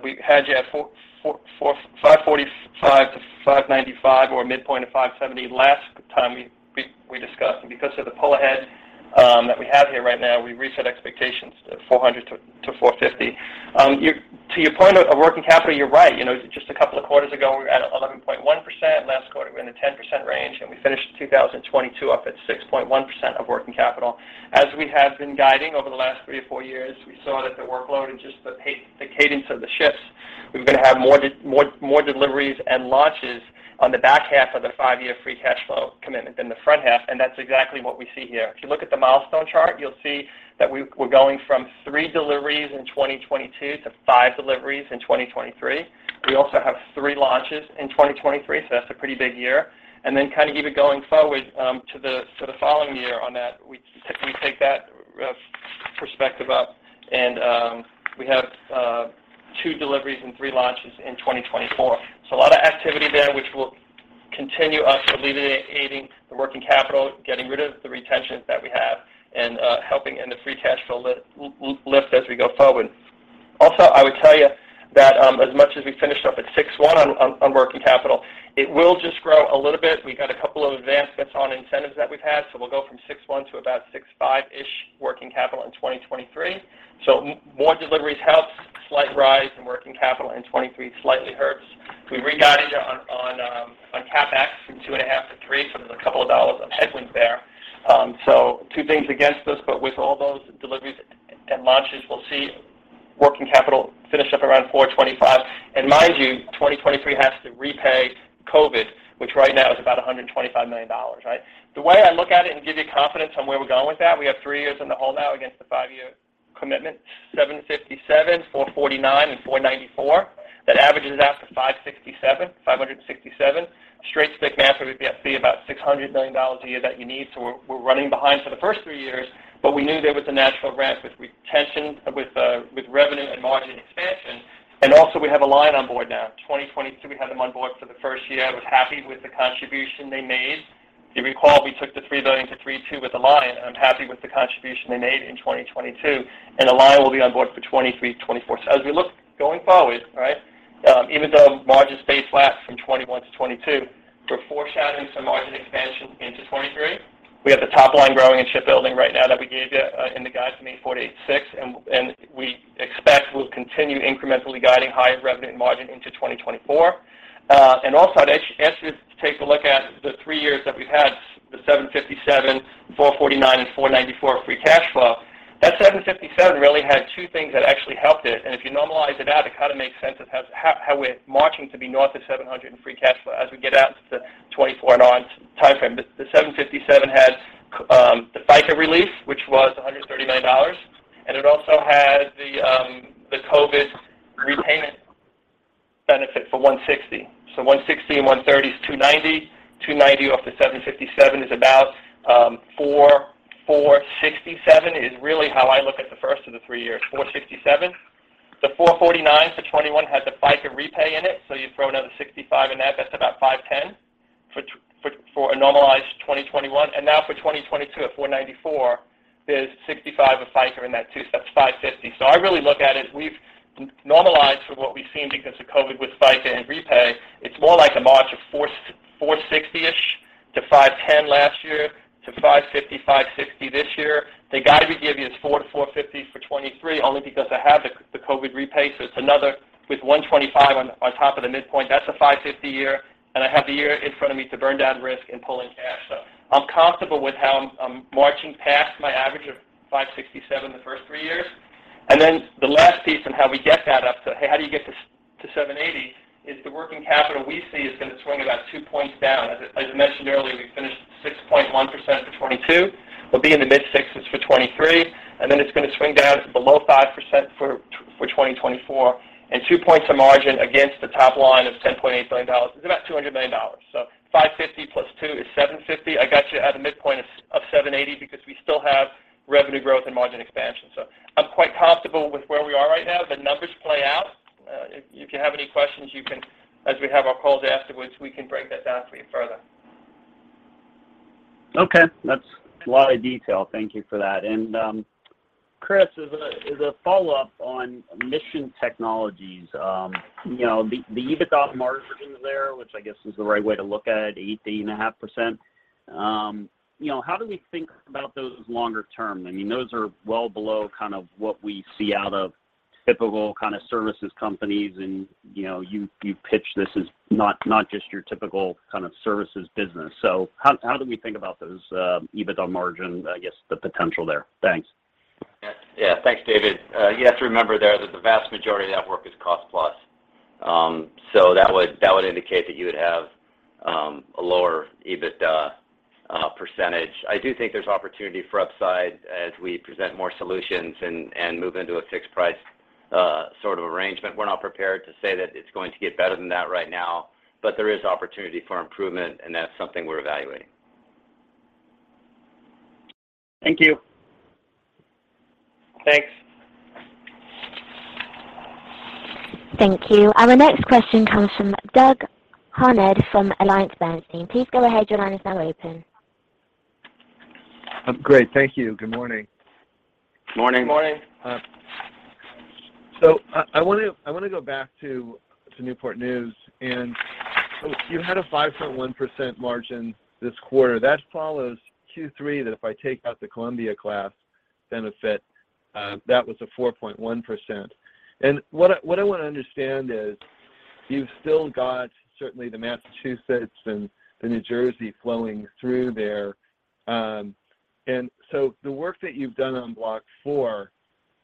We had you at $545-$595 or midpoint of $570 last time we discussed. Because of the pull ahead that we have here right now, we reset expectations to $400-$450. To your point of working capital, you're right. You know, just a couple of quarters ago, we were at 11.1%. Last quarter, we were in the 10% range, and we finished 2022 up at 6.1% of working capital. As we have been guiding over the last 3-4 years, we saw that the workload and just the cadence of the shifts, we were gonna have more deliveries and launches on the back half of the five year free cash flow commitment than the front half, and that's exactly what we see here. If you look at the milestone chart, you'll see that we're going from three deliveries in 2022 to five deliveries in 2023. We also have three launches in 2023, so that's a pretty big year. Then kind of even going forward to the following year on that, we take that perspective up and we have two deliveries and three launches in 2024. A lot of activity there which will continue us alleviating the working capital, getting rid of the retention that we have, and helping in the free cash flow lift as we go forward. Also, I would tell you that as much as we finished up at 61 on working capital, it will just grow a little bit. We got a couple of advancements on incentives that we've had, so we'll go from $6.1 to about $6.5-ish working capital in 2023. More deliveries helps. Slight rise in working capital in 2023 slightly hurts. We re-guided on CapEx from $2.5-$3, so there's a couple of dollars of headwinds there. Two things against us, but with all those deliveries and launches, we'll see working capital finish up around $425. Mind you, 2023 has to repay COVID, which right now is about $125 million, right? The way I look at it and give you confidence on where we're going with that, we have three years in the holdout against the five year commitment, $757, $449, and $494. That averages out to $567, $567. Straight stick math would be about $600 million a year that you need, so we're running behind for the first 3 years, but we knew there was a natural ramp with retention, with revenue and margin expansion. Also, we have Alion on board now. 2022, we had them on board for the first year. I was happy with the contribution they made. If you recall, we took the $3 billion-$3.2 billion with Alion, and I'm happy with the contribution they made in 2022. Alion will be on board for 2023, 2024. As we look going forward, right, even though margin stayed flat from 2021-2022, we're foreshadowing some margin expansion into 2023. We have the top line growing in shipbuilding right now that we gave you in the guidance, I mean, $4.86 billion. We expect we'll continue incrementally guiding higher revenue and margin into 2024. Also, I'd ask you to take a look at the three years that we've had, the $757, $449, and $494 free cash flow. That $757 really had two things that actually helped it. If you normalize it out, it kind of makes sense of how we're marching to be north of $700 in free cash flow as we get out to the 2024 and on timeframe. The $757 had the FICA relief, which was $139, and it also had the COVID repayment benefit for $160. $160 and $130 is $290. $290 up to $757 is about $467 is really how I look at the first of the three years. $467. The $449 for 2021 had the FICA repay in it, so you throw another $65 in that. That's about $510 for a normalized 2021. Now for 2022 at $494, there's $65 of FICA in that too, so that's $550. I really look at it, we've normalized for what we've seen because of COVID with FICA and repay. It's more like a march of $460-ish to $510 last year to $550, $560 this year. The guide we give you is $400-$450 for 2023 only because I have the COVID repay, so it's another with $125 on top of the midpoint. That's a 550 year. I have the year in front of me to burn down risk and pull in cash. I'm comfortable with how I'm marching past my average of 567 the first three years. The last piece on how we get that up to, hey, how do you get to 780 is the working capital we see is gonna swing about two points down. As I mentioned earlier, we finished 6.1% for 2022. We'll be in the mid-sixes for 2023, it's gonna swing down to below 5% for 2024. 2 points of margin against the top line of $10.8 billion is about $200 million. 550 plus two is 750. I got you at a midpoint of 780 because we still have revenue growth and margin expansion. I'm quite comfortable with where we are right now. The numbers play out. If you have any questions, you can, as we have our calls afterwards, we can break that down for you further. Okay. That's a lot of detail. Thank you for that. Chris, as a follow-up on Mission Technologies, you know, the EBITDA margins there, which I guess is the right way to look at it, 80 and a half %, you know, how do we think about those longer term? I mean, those are well below kind of what we see out of typical kind of services companies and, you know, you pitched this as not just your typical kind of services business. How do we think about those EBITDA margin, I guess the potential there? Thanks. Yeah. Yeah. Thanks, David. You have to remember there that the vast majority of that work is cost plus. That would indicate that you would have a lower EBITDA percent. I do think there's opportunity for upside as we present more solutions and move into a fixed price sort of arrangement. We're not prepared to say that it's going to get better than that right now. There is opportunity for improvement, and that's something we're evaluating. Thank you. Thanks. Thank you. Our next question comes from Doug Harned from Bernstein. Please go ahead. Your line is now open. Great. Thank you. Good morning. Morning. Morning. I want to go back to Newport News. You had a 5.1% margin this quarter. That follows Q3, that if I take out the Columbia-class benefit, that was a 4.1%. What I want to understand is you've still got certainly the Massachusetts and the New Jersey flowing through there. The work that you've done on Block IV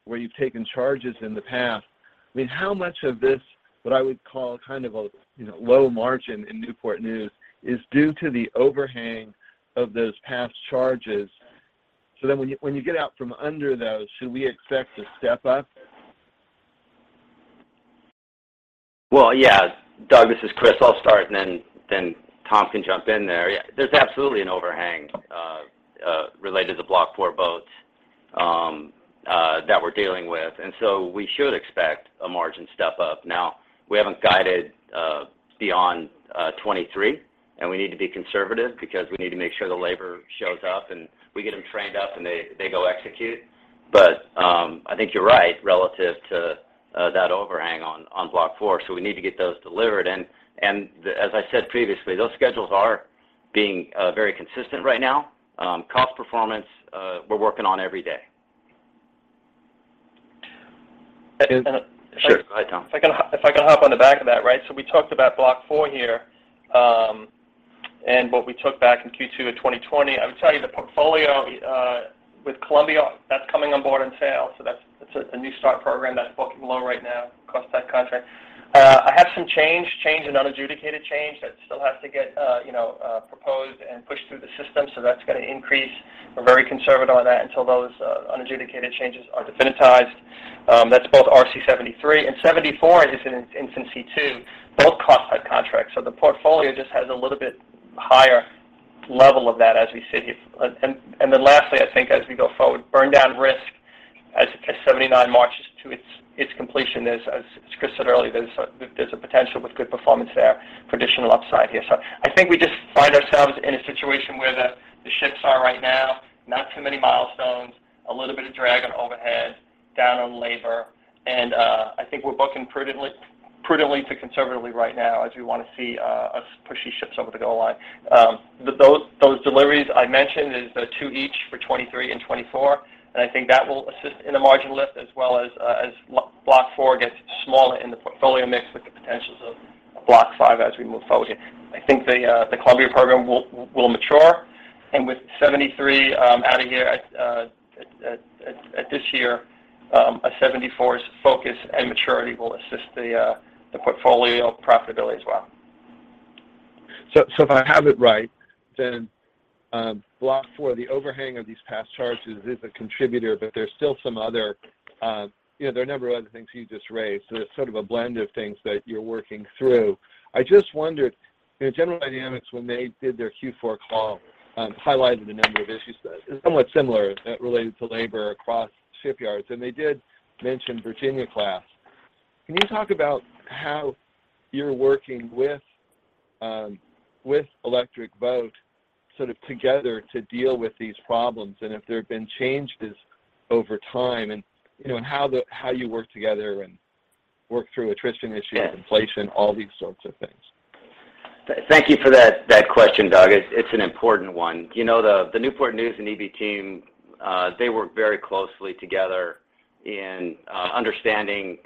where you've taken charges in the past, I mean, how much of this, what I would call kind of a, you know, low margin in Newport News is due to the overhang of those past charges? When you get out from under those, should we expect a step up? Yeah. Doug, this is Chris. I'll start and then Tom can jump in there. Yeah, there's absolutely an overhang related to Block IV boats that we're dealing with. We should expect a margin step up. Now, we haven't guided beyond 23, and we need to be conservative because we need to make sure the labor shows up and we get them trained up, and they go execute. I think you're right relative to that overhang on Block IV. We need to get those delivered. As I said previously, those schedules are being very consistent right now. Cost performance, we're working on every day. And Sure. Go ahead, Tom. If I can hop on the back of that, right? We talked about Block IV here, and what we took back in Q2 of 2020. I would tell you the portfolio, with Columbia, that's coming on board in sales. That's a new start program that's booking low right now, cost type contract. I have some change and unadjudicated change that still has to get, you know, proposed and pushed through the system, so that's gonna increase. We're very conservative on that until those unadjudicated changes are definitized. That's both RC 73 and 74 is in its infancy too, both cost type contracts. The portfolio just has a little bit higher level of that as we sit here. Then lastly, I think as we go forward, burn down risk as 79 marches to its completion. Chris said earlier, there's a potential with good performance there for additional upside here. I think we just find ourselves in a situation where the ships are right now, not too many milestones, a little bit of drag on overhead, down on labor, and I think we're booking prudently to conservatively right now as we wanna see us push these ships over the goal line. Those deliveries I mentioned is the two each for 2023 and 2024, and I think that will assist in the margin lift as well as Block IV gets smaller in the portfolio mix with the potentials of Block V as we move forward here. I think the Columbia program will mature. With CVN-73 out of here at this year, a CVN 74's focus and maturity will assist the portfolio profitability as well. If I have it right, then, Block IV, the overhang of these past charges is a contributor, but there's still some other, you know, there are a number of other things you just raised. It's sort of a blend of things that you're working through. I just wondered, you know, General Dynamics, when they did their Q4 call, highlighted a number of issues that is somewhat similar related to labor across shipyards, and they did mention Virginia-class. Can you talk about how you're working with Electric Boat sort of together to deal with these problems, and if there have been changes over time and, you know, and how you work together and work through attrition issues? Yes ...inflation, all these sorts of things. Thank you for that question, Doug. It's an important one. You know, the Newport News and EB team, they work very closely together in understanding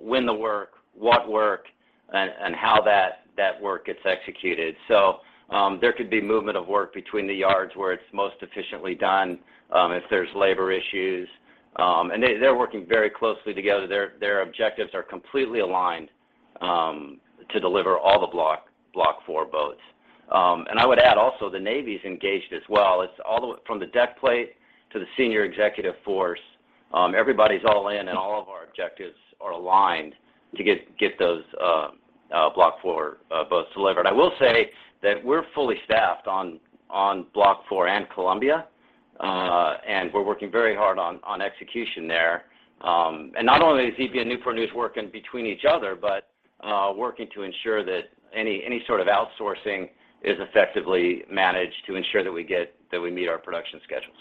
when the work, what work, and how that work gets executed. There could be movement of work between the yards where it's most efficiently done if there's labor issues. And they're working very closely together. Their objectives are completely aligned to deliver all the Block IV boats. And I would add also the Navy's engaged as well. It's all the way from the deck plate to the senior executive force. Everybody's all in, and all of our objectives are aligned to get those Block IV boats delivered. I will say that we're fully staffed on Block IV and Columbia, and we're working very hard on execution there. Not only is EB and Newport News working between each other, but working to ensure that any sort of outsourcing is effectively managed to ensure that we meet our production schedules.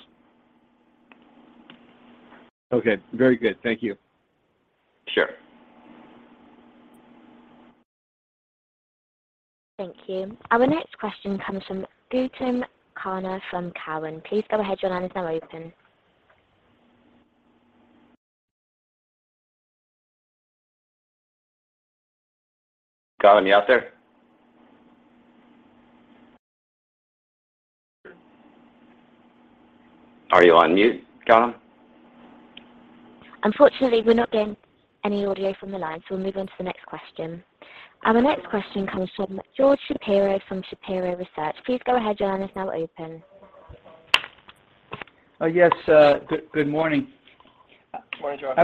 Okay. Very good. Thank you. Sure. Thank you. Our next question comes from Gautam Khanna from Cowen. Please go ahead. Your line is now open. Gautam, you out there? Are you on mute, Gautam? Unfortunately, we're not getting any audio from the line, so we'll move on to the next question. The next question comes from George Shapiro from Shapiro Research. Please go ahead. Your line is now open. Oh, yes. Good morning. Morning, George. Morning, George.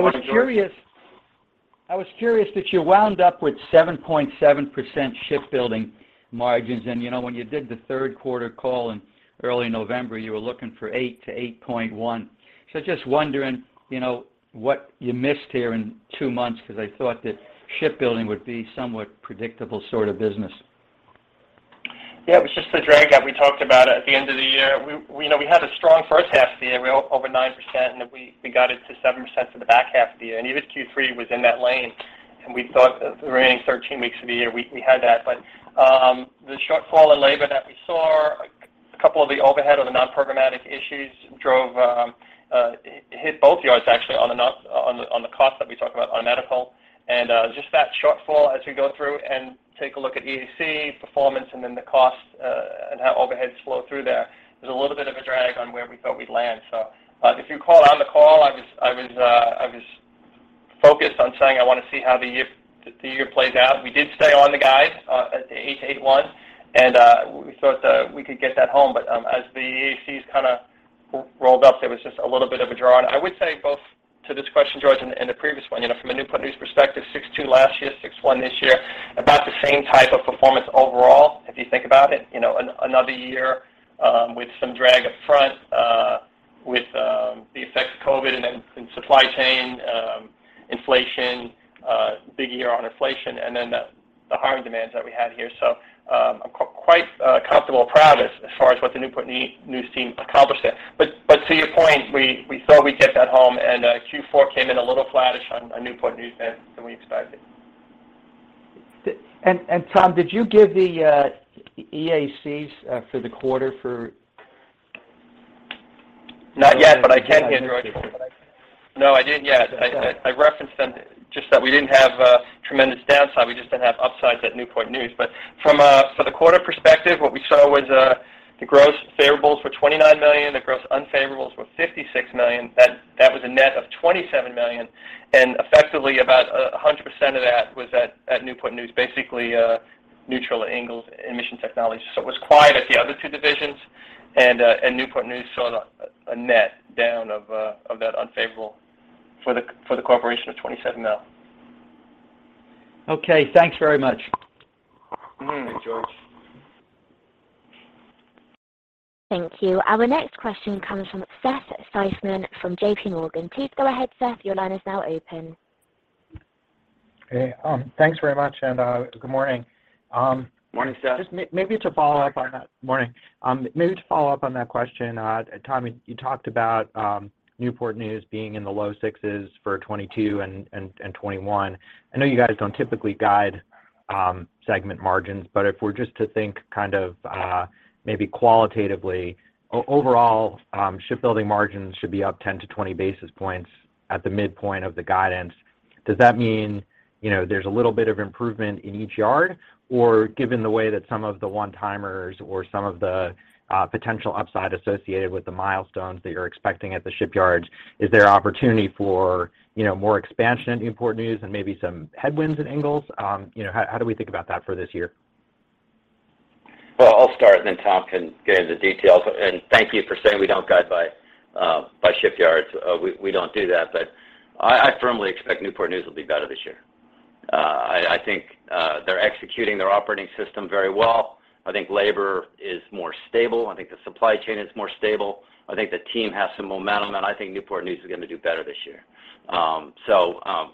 I was curious that you wound up with 7.7% shipbuilding margins. You know, when you did the third quarter call in early November, you were looking for 8%-8.1%. Just wondering, you know, what you missed here in two months because I thought that shipbuilding would be somewhat predictable sort of business. Yeah, it was just the drag that we talked about at the end of the year. We know we had a strong first half of the year, we're over 9%, and then we got it to 7% for the back half of the year. Even Q3 was in that lane, and we thought the remaining 13 weeks of the year we had that. The shortfall in labor that we saw, a couple of the overhead or the non-programmatic issues drove, hit both yards actually on the cost that we talked about on medical. Just that shortfall as we go through and take a look at EAC performance and then the cost, and how overheads flow through there. There's a little bit of a drag on where we thought we'd land. If you recall on the call, I was focused on saying I want to see how the year plays out. We did stay on the guide at the $8.0-$8.1, and we thought we could get that home. As the EACs kind of rolled up, there was just a little bit of a draw. I would say both to this question, George, and the previous one, you know, from a Newport News perspective, $6.2 last year, $6.1 this year, about the same type of performance overall, if you think about it. You know, another year with some drag up front, with the effects of COVID and then supply chain, inflation, big year on inflation and then the hiring demands that we had here. I'm quite comfortable and proud as far as what the Newport News team accomplished there. To your point, we thought we'd get that home and Q4 came in a little flattish on Newport News than we expected. Tom, did you give the EACs for the quarter? Not yet, but I can give George. Okay. No, I didn't yet. I referenced them just that we didn't have a tremendous downside. We just didn't have upsides at Newport News. From the quarter perspective, what we saw was the gross favorables were $29 million, the gross unfavorables were $56 million. That was a net of $27 million. Effectively about 100% of that was at Newport News, basically neutral at Ingalls and Mission Technologies. It was quiet at the other two divisions and Newport News saw a net down of that unfavorable for the corporation of $27 million. Okay. Thanks very much. Thanks, George. Thank you. Our next question comes from Seth Seifman from JP Morgan. Please go ahead, Seth. Your line is now open. Hey, thanks very much and, good morning. Morning, Seth. Just to follow up on that. Morning. Maybe to follow up on that question, Tom, you talked about Newport News being in the low six for 2022 and 2021. I know you guys don't typically guide segment margins, but if we're just to think kind of maybe qualitatively overall, shipbuilding margins should be up 10-20 basis points at the midpoint of the guidance. Does that mean, you know, there's a little bit of improvement in each yard, or given the way that some of the one-timers or some of the potential upside associated with the milestones that you're expecting at the shipyards, is there opportunity for, you know, more expansion at Newport News and maybe some headwinds at Ingalls? You know, how do we think about that for this year? Well, I'll start and then Tom can get into details. Thank you for saying we don't guide by by shipyards. We don't do that. I firmly expect Newport News will be better this year. I think they're executing their operating system very well. I think labor is more stable. I think the supply chain is more stable. I think the team has some momentum, and I think Newport News is gonna do better this year.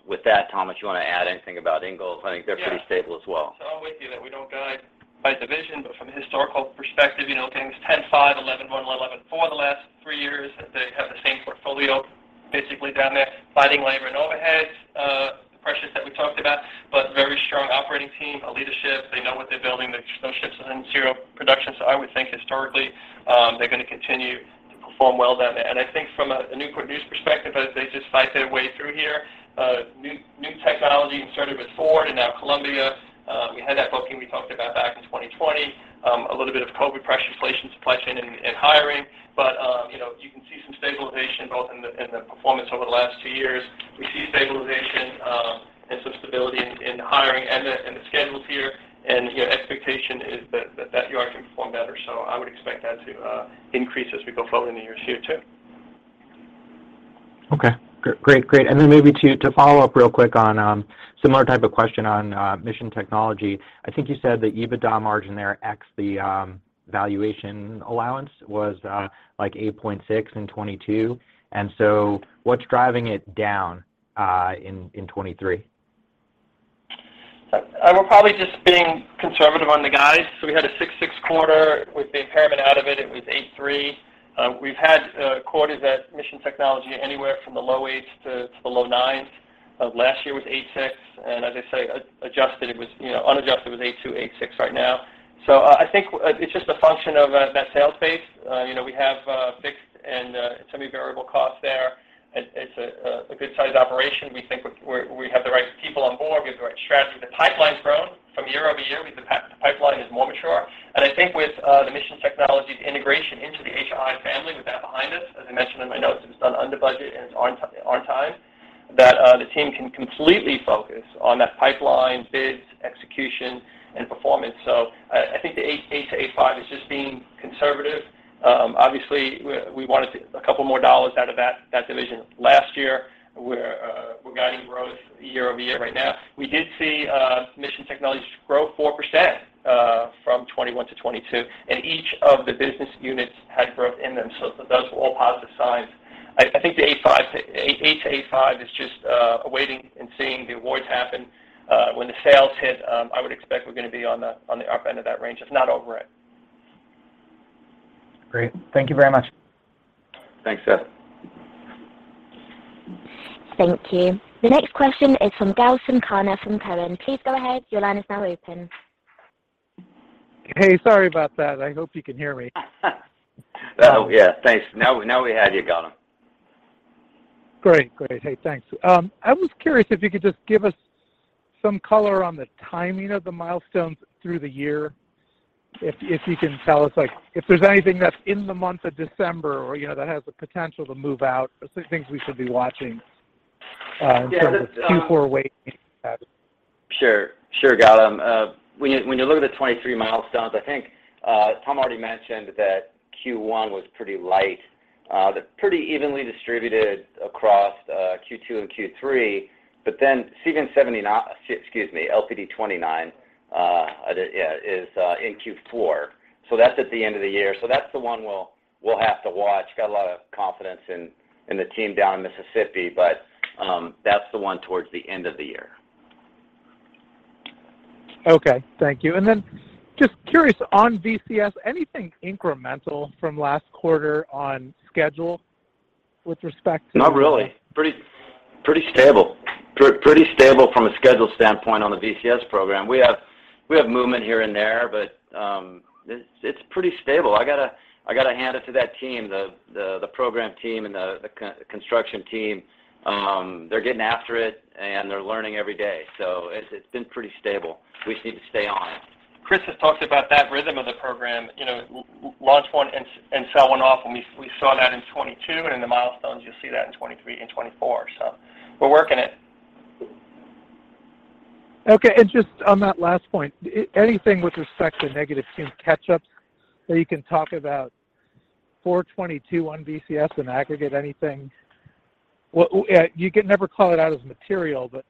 With that, Tom, unless you want to add anything about Ingalls, I think they're pretty stable as well. I'm with you that we don't guide by division, but from a historical perspective, you know, again, it was $10.5 billion, $11.1 billion, $11.4 billion the last three years. They have the same portfolio basically down there, fighting labor and overheads, the pressures that we talked about, but very strong operating team, a leadership. They know what they're building. There's no ships in zero production. I would think historically, they're gonna continue to perform well down there. I think from a Newport News perspective, as they just fight their way through here, new technology started with Ford and now Columbia, we had that booking we talked about back in 2020. A little bit of COVID pressure, inflation, supply chain and hiring. You know, you can see some stabilization both in the performance over the last two years. We see stabilization and some stability in the hiring and the schedules here. You know, expectation is that that yard can perform better. I would expect that to increase as we go forward into years here too. Okay. Great. Great. Then maybe to follow up real quick on similar type of question on Mission Technologies. I think you said the EBITDA margin there ex the valuation allowance was like 8.6% in 2022. So what's driving it down in 2023? We're probably just being conservative on the guide. We had a 6.6 quarter. With the impairment out of it was 8.3. We've had quarters at Mission Technology anywhere from the low eight to the low nine. Last year was 8.6, and as I say, adjusted, it was, you know, unadjusted was 8.2, 8.6 right now. I think it's just a function of that sales base. You know, we have fixed and semi-variable costs there. It's a good-sized operation. We think we have the right people on board. We have the right strategy. The pipeline's grown from year-over-year. We think the pipeline is more mature. I think with the Mission Technologies integration into the HII family, with that behind us, as I mentioned in my notes, it was done under budget and it's on time, that the team can completely focus on that pipeline, bids, execution, and performance. I think the 8.8%-8.5% is just being conservative. Obviously we wanted a couple more dollars out of that division last year. We're guiding growth year-over-year right now. We did see Mission Technologies grow 4% from 2021 to 2022, and each of the business units had growth in them. Those were all positive signs. I think the 8-8.5 is just awaiting and seeing the awards happen, when the sales hit, I would expect we're gonna be on the up end of that range, if not over it. Great. Thank you very much. Thanks, Seth. Thank you. The next question is from Gavin Parsons from Cohen. Please go ahead. Your line is now open. Hey, sorry about that. I hope you can hear me. Oh, yeah. Thanks. Now we have you, Gavin. Great. Great. Hey, thanks. I was curious if you could just give us some color on the timing of the milestones through the year. If you can tell us, like, if there's anything that's in the month of December or, you know, that has the potential to move out or things we should be watching? Yeah. The. in terms of Q4 waiting. Sure. Sure, Gavin Parsons. When you look at the 2023 milestones, I think Tom Stiehle already mentioned that Q1 was pretty light. They're pretty evenly distributed across Q2 and Q3. LPD 29, the, yeah, is in Q4, so that's at the end of the year. That's the one we'll have to watch. Got a lot of confidence in the team down in Mississippi, but that's the one towards the end of the year. Okay. Thank you. Just curious on VCS, anything incremental from last quarter on schedule with respect to- Not really. Pretty stable. Pretty stable from a schedule standpoint on the VCS program. We have, we have movement here and there, but it's pretty stable. I gotta hand it to that team, the program team and the construction team. They're getting after it, and they're learning every day. It's been pretty stable. We just need to stay on it. Chris has talked about that rhythm of the program, you know, launch one and sell one off, and we saw that in 2022, and in the milestones you'll see that in 2023 and 2024. We're working it. Okay. Just on that last point, anything with respect to negative Q catch-ups that you can talk about Q4 2022 on VCS and aggregate anything? Well, you can never call it out as material, but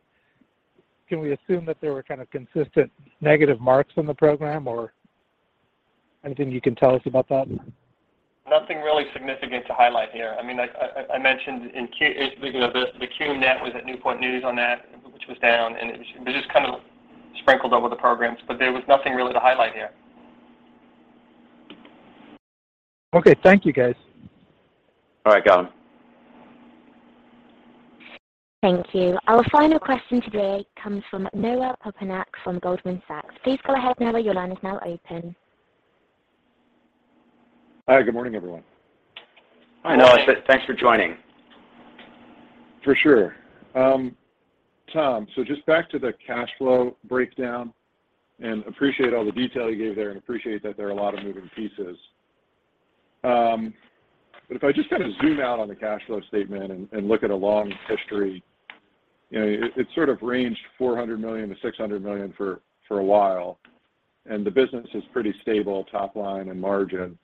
can we assume that there were kind of consistent negative marks on the program or anything you can tell us about that? Nothing really significant to highlight here. I mean, I mentioned in Q, you know, the Q net was at Newport News on that, which was down, and it was just kind of sprinkled over the programs, but there was nothing really to highlight here. Okay. Thank you, guys. All right, Gavin Parsons. Thank you. Our final question today comes from Noah Poponak from Goldman Sachs. Please go ahead, Noah. Your line is now open. Hi. Good morning, everyone. Hi, Noah. Thanks for joining. For sure. Tom, just back to the cash flow breakdown, and appreciate all the detail you gave there and appreciate that there are a lot of moving pieces. If I just kind of zoom out on the cash flow statement and look at a long history, you know, it sort of ranged $400 million-$600 million for a while, and the business is pretty stable top line and margin.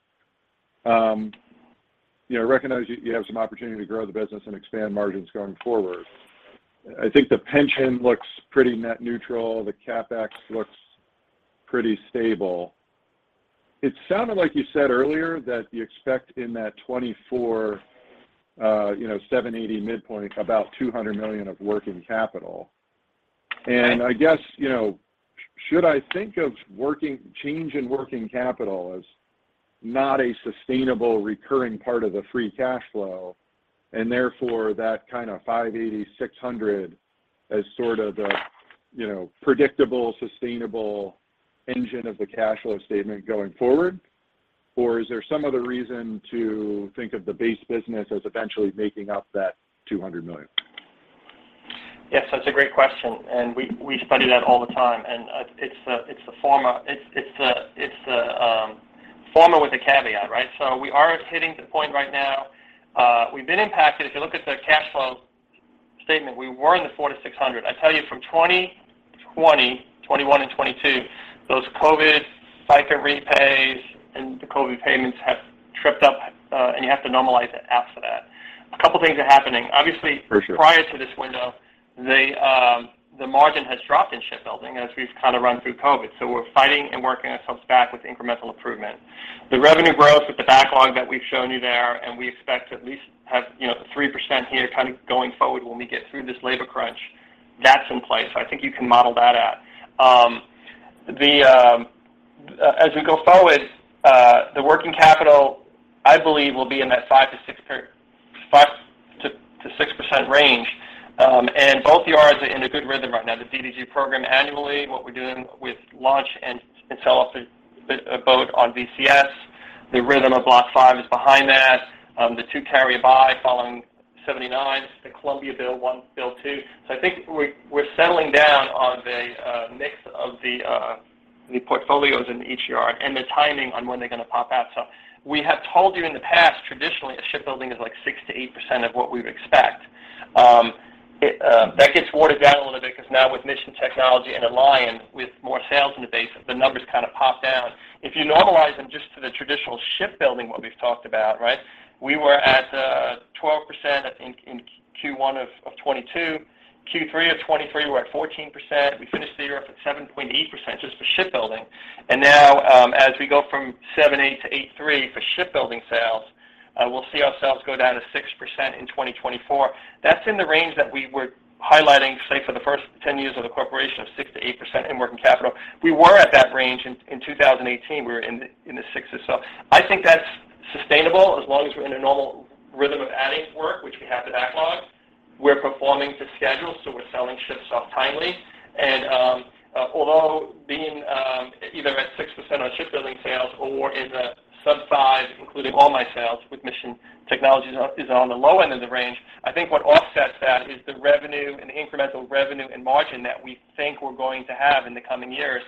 You know, recognize you have some opportunity to grow the business and expand margins going forward. I think the pension looks pretty net neutral. The CapEx looks pretty stable. It sounded like you said earlier that you expect in that 2024, you know, $780 midpoint about $200 million of working capital. I guess, you know, should I think of change in working capital as not a sustainable recurring part of the free cash flow, and therefore that kind of $580, $600 as sort of a, you know, predictable, sustainable engine of the cash flow statement going forward? Or is there some other reason to think of the base business as eventually making up that $200 million? Yes, that's a great question, and we study that all the time, and it's the former. It's the former with a caveat, right? We are hitting the point right now. We've been impacted. If you look at the cash flow statement, we were in the $400-$600. I tell you from 2020, 2021 and 2022, those COVID FICA repays and the COVID payments have tripped up, and you have to normalize it after that. A couple things are happening. Obviously. For sure. ...prior to this window, the margin has dropped in shipbuilding as we've kind of run through COVID. We're fighting and working ourselves back with incremental improvement. The revenue growth with the backlog that we've shown you there, we expect to at least have, you know, 3% here kind of going forward when we get through this labor crunch, that's in place. I think you can model that out. As we go forward, the working capital I believe will be in that 5%-6% range. Both yards are in a good rhythm right now. The DDG program annually, what we're doing with launch and sell off a boat on VCS, the rhythm of Block V is behind that, the two carry by following 79, the Columbia-class build one, build two. I think we're settling down on the mix of the portfolios in each yard and the timing on when they're gonna pop out. We have told you in the past, traditionally, a shipbuilding is like 6%-8% of what we would expect. It, that gets watered down a little bit 'cause now with Mission Technologies and Alion with more sales in the base, the numbers kind of pop down. If you normalize them just to the traditional shipbuilding, what we've talked about, right, we were at 12% I think in Q1 of 2022. Q3 of 2023, we're at 14%. We finished the year up at 7.8% just for shipbuilding. Now, as we go from 7.8% to 8.3% for shipbuilding sales, I will see ourselves go down to 6% in 2024. That's in the range that we were highlighting, say, for the first 10 years of the corporation of 6%-8% in working capital. We were at that range in 2018, we were in the sixes. I think that's sustainable as long as we're in a normal rhythm of adding work, which we have the backlog. We're performing to schedule, we're selling ships off timely. Although being either at 6% on shipbuilding sales or in the sub-5%, including all my sales with Mission Technologies is on the low end of the range. I think what offsets that is the revenue and the incremental revenue and margin that we think we're going to have in the coming years.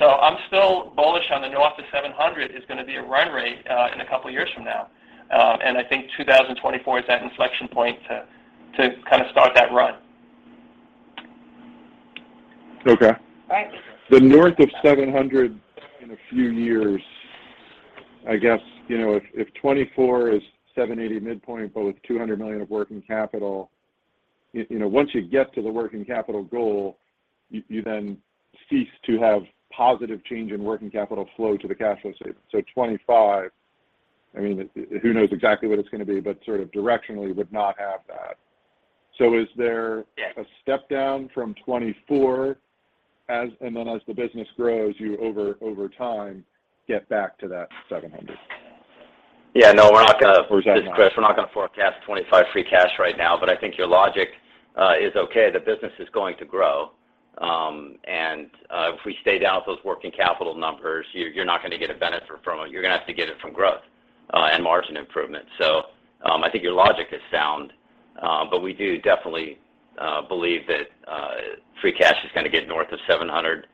I'm still bullish on the north of $700 is gonna be a run rate in a couple of years from now. I think 2024 is that inflection point to kind of start that run. Okay. All right. The north of 700 in a few years, I guess, you know, if 2024 is 780 midpoint, but with $200 million of working capital, you know, once you get to the working capital goal, you then cease to have positive change in working capital flow to the cash flow state. 2025, I mean, who knows exactly what it's gonna be, but sort of directionally would not have that. Is there. Yes a step down from $24 and then as the business grows, you over time, get back to that $700. Yeah, no, we're not... is that not? Chris, we're not gonna forecast 2025 free cash right now. I think your logic is okay. The business is going to grow. If we stay down with those working capital numbers, you're not gonna get a benefit from it. You're gonna have to get it from growth and margin improvement. I think your logic is sound. We do definitely believe that free cash is gonna get north of $700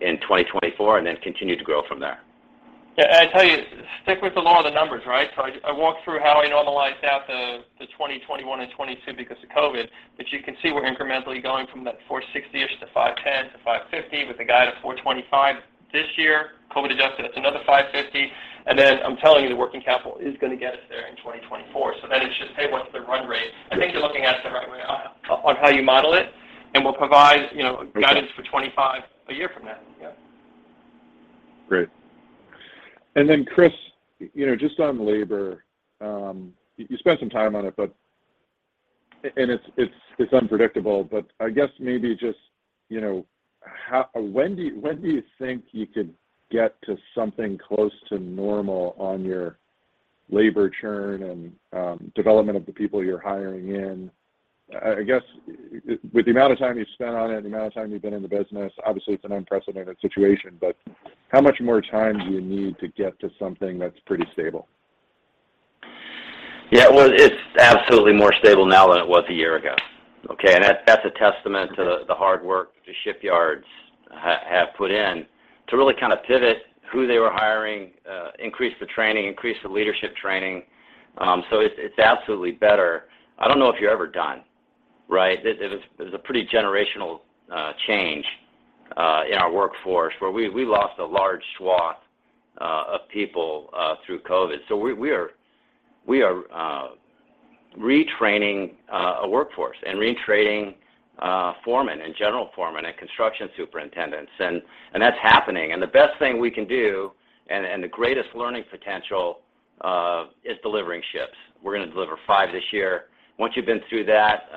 in 2024 and then continue to grow from there. I tell you, stick with the law of the numbers, right? I walked through how I normalized out the 2021 and 2022 because of COVID. You can see we're incrementally going from that $460-ish to $510 to $550 with a guide of $425 this year, COVID adjusted, that's another $550. I'm telling you the working capital is gonna get us there in 2024. It's just, hey, what's the run rate? I think you're looking at it the right way on how you model it, and we'll provide, you know, guidance for 25 a year from now. Yeah. Great. Then, Chris, you know, just on labor, you spent some time on it, but it's unpredictable, but I guess maybe just, you know, when do you think you could get to something close to normal on your labor churn and development of the people you're hiring in? I guess with the amount of time you've spent on it, the amount of time you've been in the business, obviously, it's an unprecedented situation, but how much more time do you need to get to something that's pretty stable? Well, it's absolutely more stable now than it was a year ago, okay? That's a testament to the hard work the shipyards have put in to really kind of pivot who they were hiring, increase the training, increase the leadership training. So it's absolutely better. I don't know if you're ever done, right? It was a pretty generational change in our workforce, where we lost a large swath of people through COVID. So we are retraining a workforce and retraining foremen and general foremen and construction superintendents. And that's happening. The best thing we can do and the greatest learning potential is delivering ships. We're gonna deliver five this year. Once you've been through that,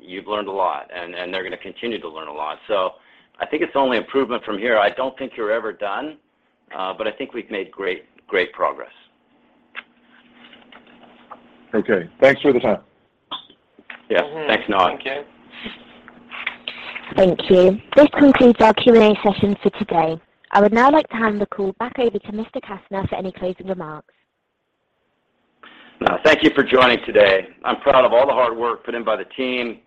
you've learned a lot. They're gonna continue to learn a lot. I think it's only improvement from here. I don't think you're ever done, but I think we've made great progress. Okay. Thanks for the time. Yeah. Thanks, Noah. Thank you. Thank you. This concludes our Q&A session for today. I would now like to hand the call back over to Mr. Kastner for any closing remarks. No, thank you for joining today. I'm proud of all the hard work put in by the team,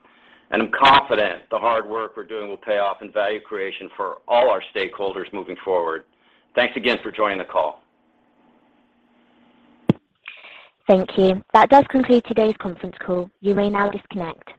and I'm confident the hard work we're doing will pay off in value creation for all our stakeholders moving forward. Thanks again for joining the call. Thank you. That does conclude today's conference call. You may now disconnect.